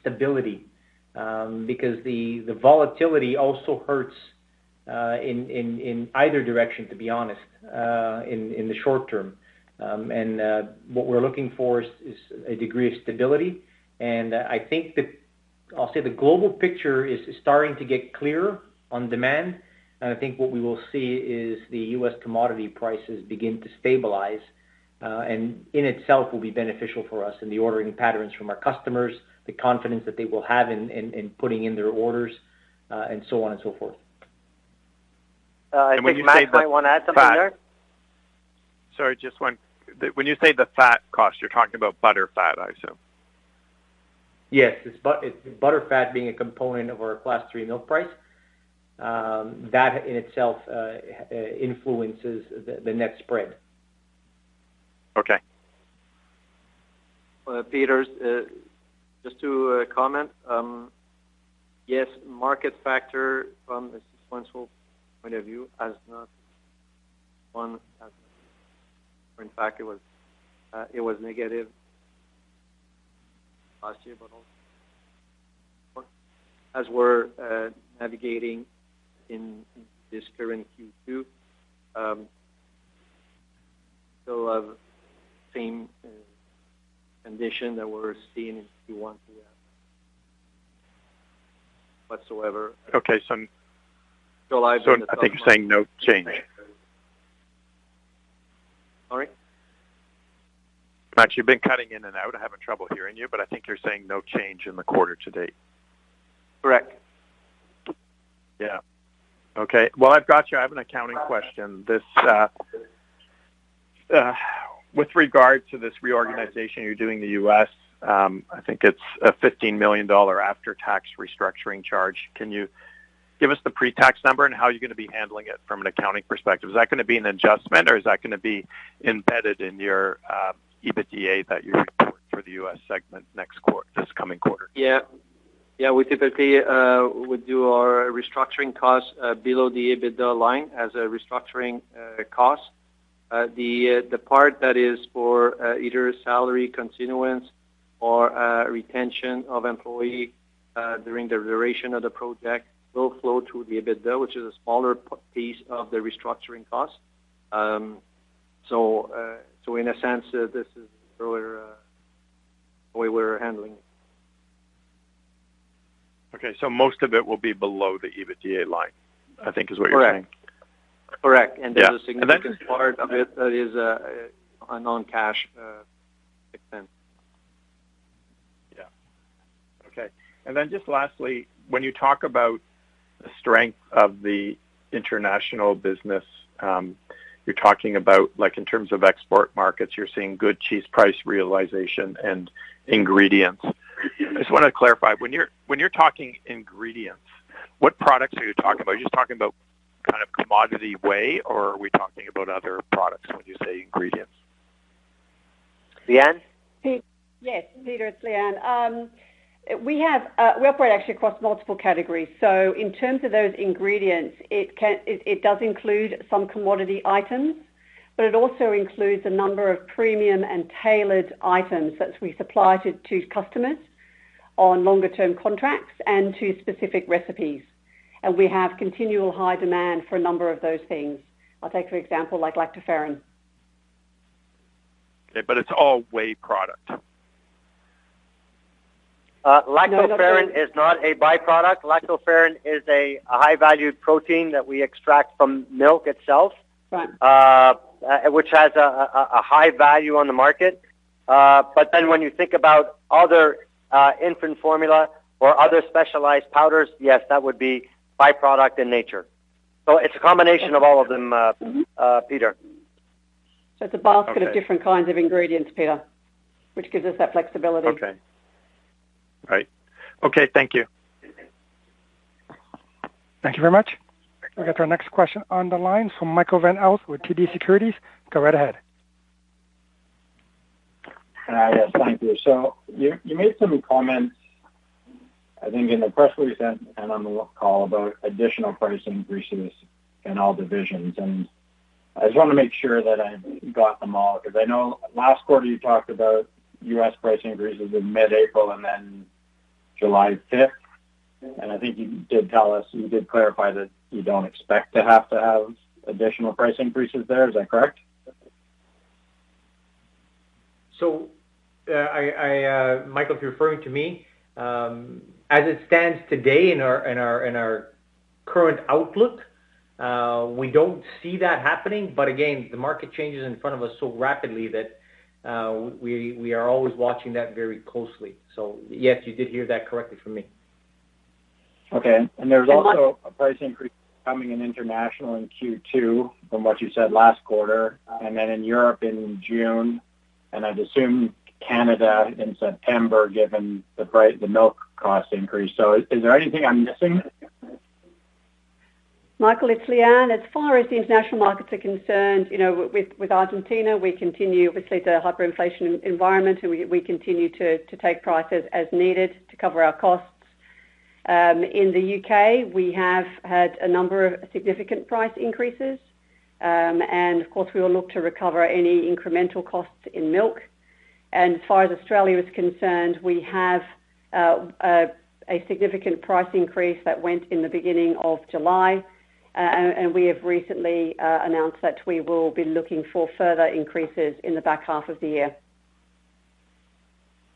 stability because the volatility also hurts in either direction, to be honest, in the short term. What we're looking for is a degree of stability. I think I'll say the global picture is starting to get clearer on demand. I think what we will see is the US commodity prices begin to stabilize, and in itself will be beneficial for us in the ordering patterns from our customers, the confidence that they will have in putting in their orders, and so on and so forth. When you say the fat. I think Maxime might wanna add something there. Sorry, just one. When you say the fat cost, you're talking about butterfat, I assume. Yes. It's butterfat being a component of our Class III milk price. That in itself influences the next spread. Okay. Peter, just to comment, yes, market factor from a sustainable point of view has not been one factor. In fact, it was negative last year, but also as we're navigating in this current Q2, still have same condition that we're seeing in Q1 whatsoever. Okay. Still lies in the- I think you're saying no change. Sorry? Max, you've been cutting in and out. I'm having trouble hearing you, but I think you're saying no change in the quarter to date. Correct. Yeah. Okay. Well, I've got you. I have an accounting question. This with regard to this reorganization you're doing in the U.S., I think it's a 15 million dollar after-tax restructuring charge. Can you give us the pre-tax number and how you're gonna be handling it from an accounting perspective? Is that gonna be an adjustment or is that gonna be embedded in your EBITDA that you're gonna report for the US segment this coming quarter? Yeah. Yeah, we typically do our restructuring costs below the EBITDA line as a restructuring cost. The part that is for either salary continuation or retention of employee during the duration of the project will flow through the EBITDA, which is a smaller piece of the restructuring cost. In a sense, this is an earlier way we're handling it. Okay. Most of it will be below the EBITDA line, I think is what you're saying. Correct. Correct. Yeah. There's a significant part of it that is a non-cash expense. Yeah. Okay. Just lastly, when you talk about the strength of the international business, you're talking about, like, in terms of export markets, you're seeing good cheese price realization and ingredients. I just wanna clarify. When you're talking ingredients, what products are you talking about? Are you talking about kind of commodity whey or are we talking about other products when you say ingredients? Leanne? Yes, Peter, it's Leanne. We operate actually across multiple categories. In terms of those ingredients, it does include some commodity items, but it also includes a number of premium and tailored items that we supply to customers on longer term contracts and to specific recipes. We have continual high demand for a number of those things. I'll take for example, like lactoferrin. Okay, it's all whey product. Lactoferrin is not a byproduct. Lactoferrin is a high valued protein that we extract from milk itself. Right. which has a high value on the market. When you think about other infant formula or other specialized powders, yes, that would be byproduct in nature. It's a combination of all of them. Mm-hmm. Peter. It's a basket. Okay. Of different kinds of ingredients, Peter, which gives us that flexibility. Okay. All right. Okay. Thank you. Thank you very much. We'll get to our next question on the line from Michael Van Aelst with TD Securities. Go right ahead. Hi. Yes, thank you. You made some comments, I think in the press release and on the call about additional price increases in all divisions. I just wanna make sure that I got them all, 'cause I know last quarter you talked about U.S. price increases in mid-April and then July fifth. I think you did tell us, you did clarify that you don't expect to have additional price increases there. Is that correct? I, Michael, if you're referring to me, as it stands today in our current outlook, we don't see that happening. Again, the market changes in front of us so rapidly that we are always watching that very closely. Yes, you did hear that correctly from me. Okay. There's also a price increase coming in international in Q2, from what you said last quarter, and then in Europe in June, and I'd assume Canada in September, given the milk cost increase. Is there anything I'm missing? Michael, it's Leanne. As far as the international markets are concerned, you know, with Argentina, we continue, obviously it's a hyperinflation environment, and we continue to take prices as needed to cover our costs. In the U.K., we have had a number of significant price increases. And of course, we will look to recover any incremental costs in milk. As far as Australia is concerned, we have a significant price increase that went in the beginning of July. We have recently announced that we will be looking for further increases in the back half of the year.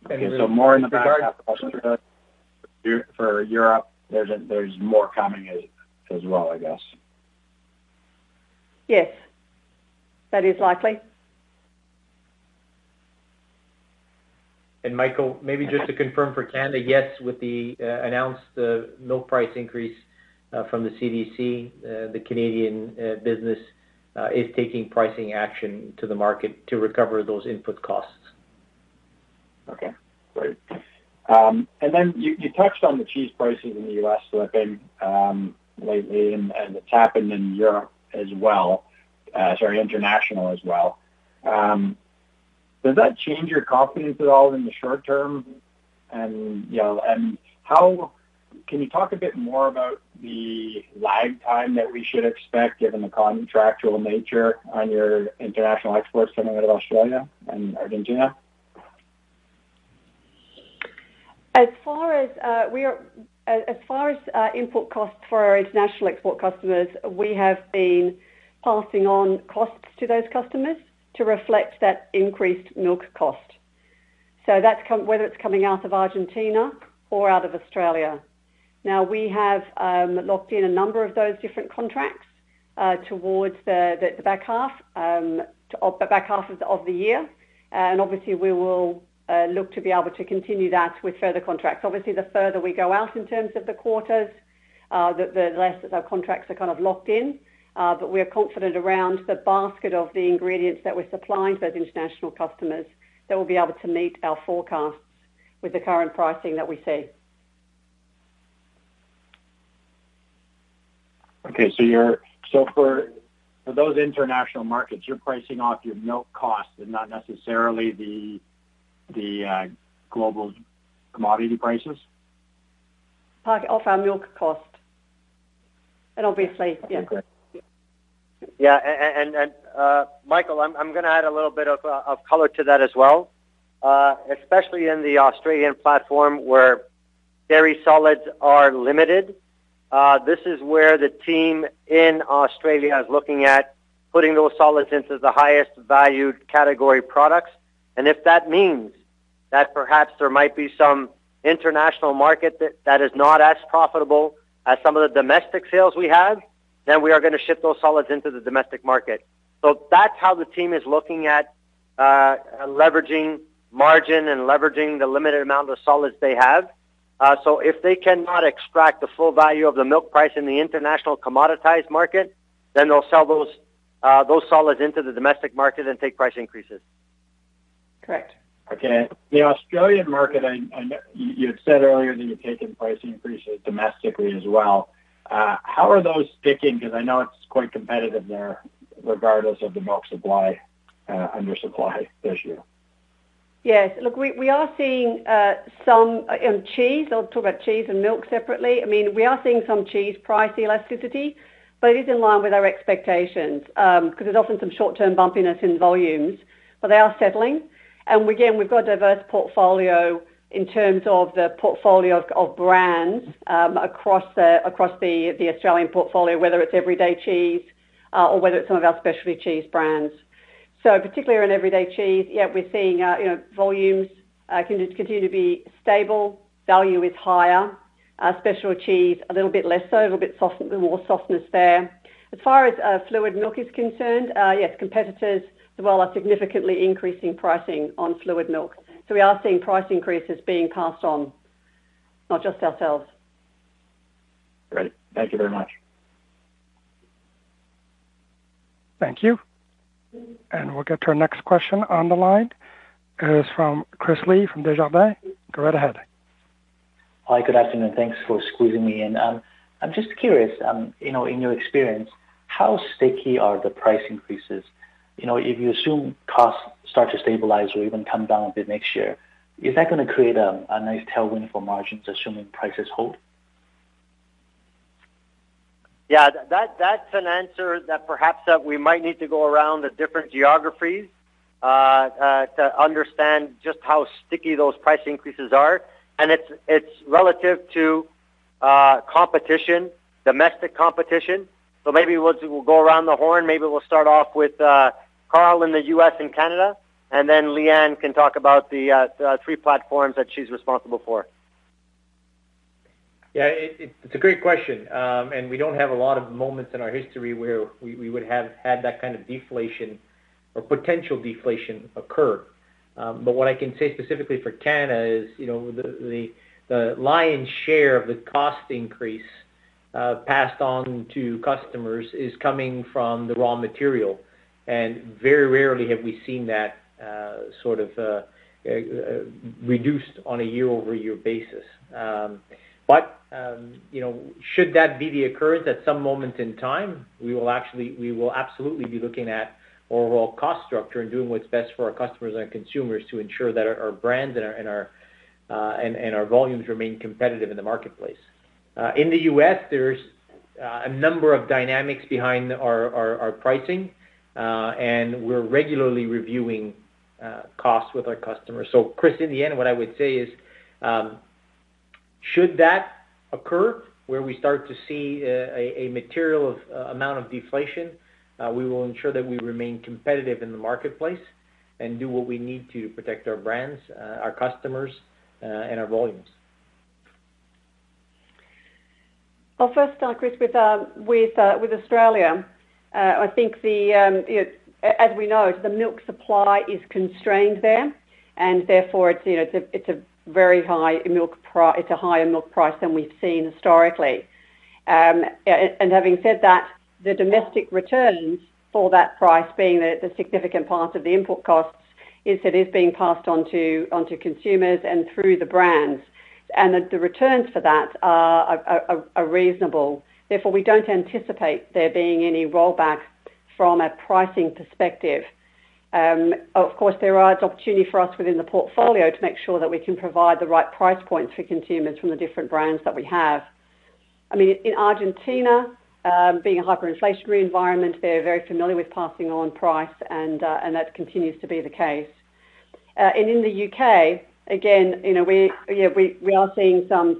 More in the back half of Australia. For Europe, there's more coming as well, I guess. Yes. That is likely. Michael, maybe just to confirm for Canada, yes, with the announced milk price increase from the CDC, the Canadian business is taking pricing action to the market to recover those input costs. Okay, great. You touched on the cheese prices in the U.S. slipping lately and it's happened in Europe as well, international as well. Does that change your confidence at all in the short term? Can you talk a bit more about the lag time that we should expect given the contractual nature on your international exports coming out of Australia and Argentina? As far as input costs for our international export customers, we have been passing on costs to those customers to reflect that increased milk cost. Whether it's coming out of Argentina or out of Australia. Now, we have locked in a number of those different contracts towards the back half of the year. Obviously, we will look to be able to continue that with further contracts. Obviously, the further we go out in terms of the quarters, the less that our contracts are kind of locked in. We are confident around the basket of the ingredients that we're supplying to those international customers that we'll be able to meet our forecasts with the current pricing that we see. Okay. For those international markets, you're pricing off your milk costs and not necessarily the global commodity prices? Off our milk cost. Obviously, yeah. Yeah. Michael, I'm gonna add a little bit of color to that as well. Especially in the Australian platform where dairy solids are limited, this is where the team in Australia is looking at putting those solids into the highest valued category products. If that means that perhaps there might be some international market that is not as profitable as some of the domestic sales we have, then we are gonna ship those solids into the domestic market. That's how the team is looking at leveraging margin and leveraging the limited amount of solids they have. If they cannot extract the full value of the milk price in the international commoditized market, then they'll sell those solids into the domestic market and take price increases. Correct. Okay. The Australian market, I know you had said earlier that you're taking price increases domestically as well. How are those sticking? 'Cause I know it's quite competitive there regardless of the milk supply, under supply issue. Yes. Look, we are seeing some cheese. I'll talk about cheese and milk separately. I mean, we are seeing some cheese price elasticity, but it is in line with our expectations, 'cause there's often some short-term bumpiness in volumes, but they are settling. Again, we've got a diverse portfolio in terms of the portfolio of brands across the Australian portfolio, whether it's everyday cheese or whether it's some of our specialty cheese brands. Particularly in everyday cheese, yeah, we're seeing you know, volumes continue to be stable. Value is higher. Specialty cheese a little bit less so, more softness there. As far as fluid milk is concerned, yes, competitors as well are significantly increasing pricing on fluid milk. We are seeing price increases being passed on, not just ourselves. Great. Thank you very much. Thank you. We'll get to our next question on the line. It is from Christopher Li from Desjardins. Go right ahead. Hi, good afternoon. Thanks for squeezing me in. I'm just curious, you know, in your experience, how sticky are the price increases? You know, if you assume costs start to stabilize or even come down a bit next year, is that gonna create a nice tailwind for margins, assuming prices hold? Yeah, that's an answer that perhaps we might need to go around the different geographies to understand just how sticky those price increases are. It's relative to competition, domestic competition. Maybe we'll go around the horn. Maybe we'll start off with Carl in the U.S. and Canada, and then Leanne can talk about the three platforms that she's responsible for. Yeah, it's a great question. We don't have a lot of moments in our history where we would have had that kind of deflation or potential deflation occur. What I can say specifically for Canada is, you know, the lion's share of the cost increase passed on to customers is coming from the raw material. Very rarely have we seen that sort of reduced on a year-over-year basis. You know, should that be the occurrence at some moment in time, we will absolutely be looking at overall cost structure and doing what's best for our customers and our consumers to ensure that our brands and our volumes remain competitive in the marketplace. In the US, there's a number of dynamics behind our pricing, and we're regularly reviewing costs with our customers. Chris, in the end, what I would say is, should that occur where we start to see a material amount of deflation, we will ensure that we remain competitive in the marketplace and do what we need to protect our brands, our customers, and our volumes. Well, first, Chris, with Australia, I think, you know, as we know, the milk supply is constrained there and therefore it's, you know, it's a higher milk price than we've seen historically. And having said that, the domestic returns for that price being the significant part of the input costs is being passed on to consumers and through the brands. The returns for that are reasonable. Therefore, we don't anticipate there being any rollback from a pricing perspective. Of course, there are opportunities for us within the portfolio to make sure that we can provide the right price points for consumers from the different brands that we have. I mean, in Argentina, being a hyperinflationary environment, they're very familiar with passing on price and that continues to be the case. In the U.K., again, you know, we are seeing some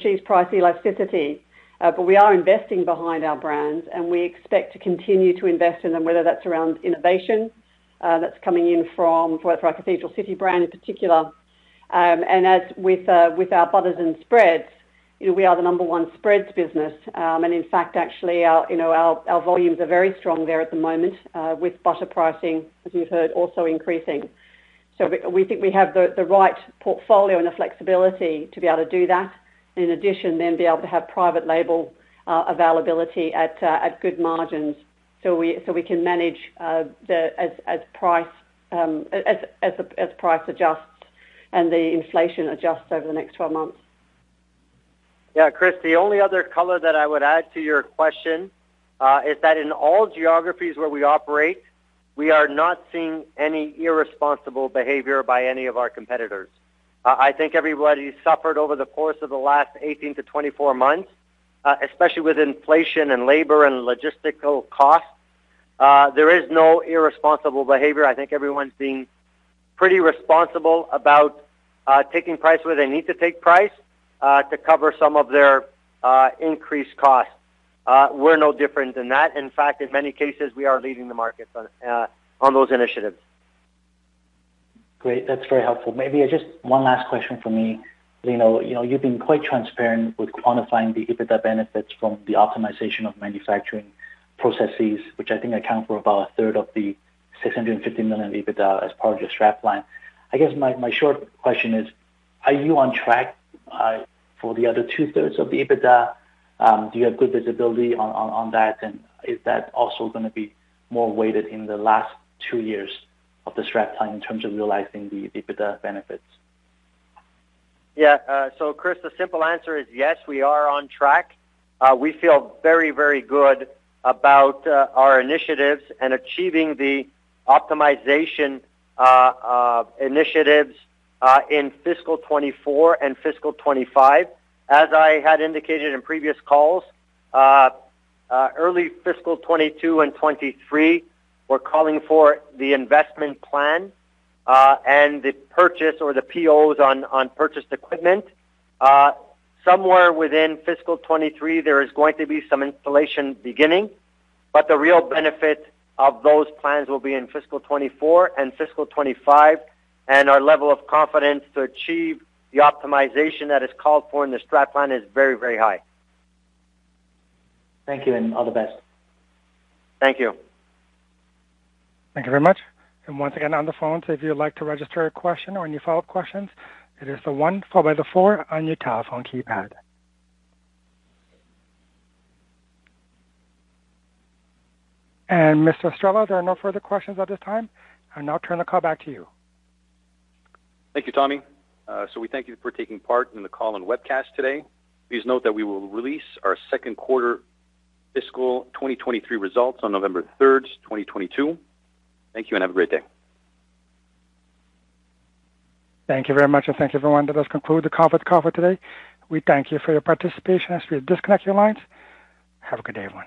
cheese price elasticity, but we are investing behind our brands, and we expect to continue to invest in them, whether that's around innovation that's coming in for our Cathedral City brand in particular. As with our butters and spreads, you know, we are the number one spreads business. In fact, actually, you know, our volumes are very strong there at the moment, with butter pricing, as you've heard, also increasing. We think we have the right portfolio and the flexibility to be able to do that. In addition, be able to have private label availability at good margins, so we can manage as price adjusts and the inflation adjusts over the next 12 months. Yeah, Chris, the only other color that I would add to your question is that in all geographies where we operate, we are not seeing any irresponsible behavior by any of our competitors. I think everybody suffered over the course of the last 18-24 months, especially with inflation and labor and logistical costs. There is no irresponsible behavior. I think everyone's being pretty responsible about taking price where they need to take price to cover some of their increased costs. We're no different than that. In fact, in many cases, we are leading the markets on those initiatives. Great. That's very helpful. Maybe just one last question for me. Lino, you know, you've been quite transparent with quantifying the EBITDA benefits from the optimization of manufacturing processes, which I think account for about a third of the 650 million EBITDA as part of your Strategic Plan. I guess my short question is, are you on track for the other two-thirds of the EBITDA? Do you have good visibility on that? Is that also gonna be more weighted in the last two years of the Strategic Plan in terms of realizing the EBITDA benefits? Yeah. Chris, the simple answer is yes, we are on track. We feel very, very good about our initiatives and achieving the optimization initiatives in fiscal 2024 and fiscal 2025. As I had indicated in previous calls, early fiscal 2022 and 2023, we're calling for the investment plan and the purchase or the POs on purchased equipment. Somewhere within fiscal 2023, there is going to be some installation beginning, but the real benefit of those plans will be in fiscal 2024 and fiscal 2025, and our level of confidence to achieve the optimization that is called for in the Strategic Plan is very, very high. Thank you, and all the best. Thank you. Thank you very much. Once again, on the phone, so if you'd like to register a question or any follow-up questions, it is the one followed by the four on your telephone keypad. Mr. Estrela, there are no further questions at this time. I'll now turn the call back to you. Thank you, Tommy. We thank you for taking part in the call and webcast today. Please note that we will release our second quarter fiscal 2023 results on November 3, 2022. Thank you, and have a great day. Thank you very much, and thank you, everyone. That does conclude the conference call for today. We thank you for your participation. As we disconnect your lines, have a good day, everyone.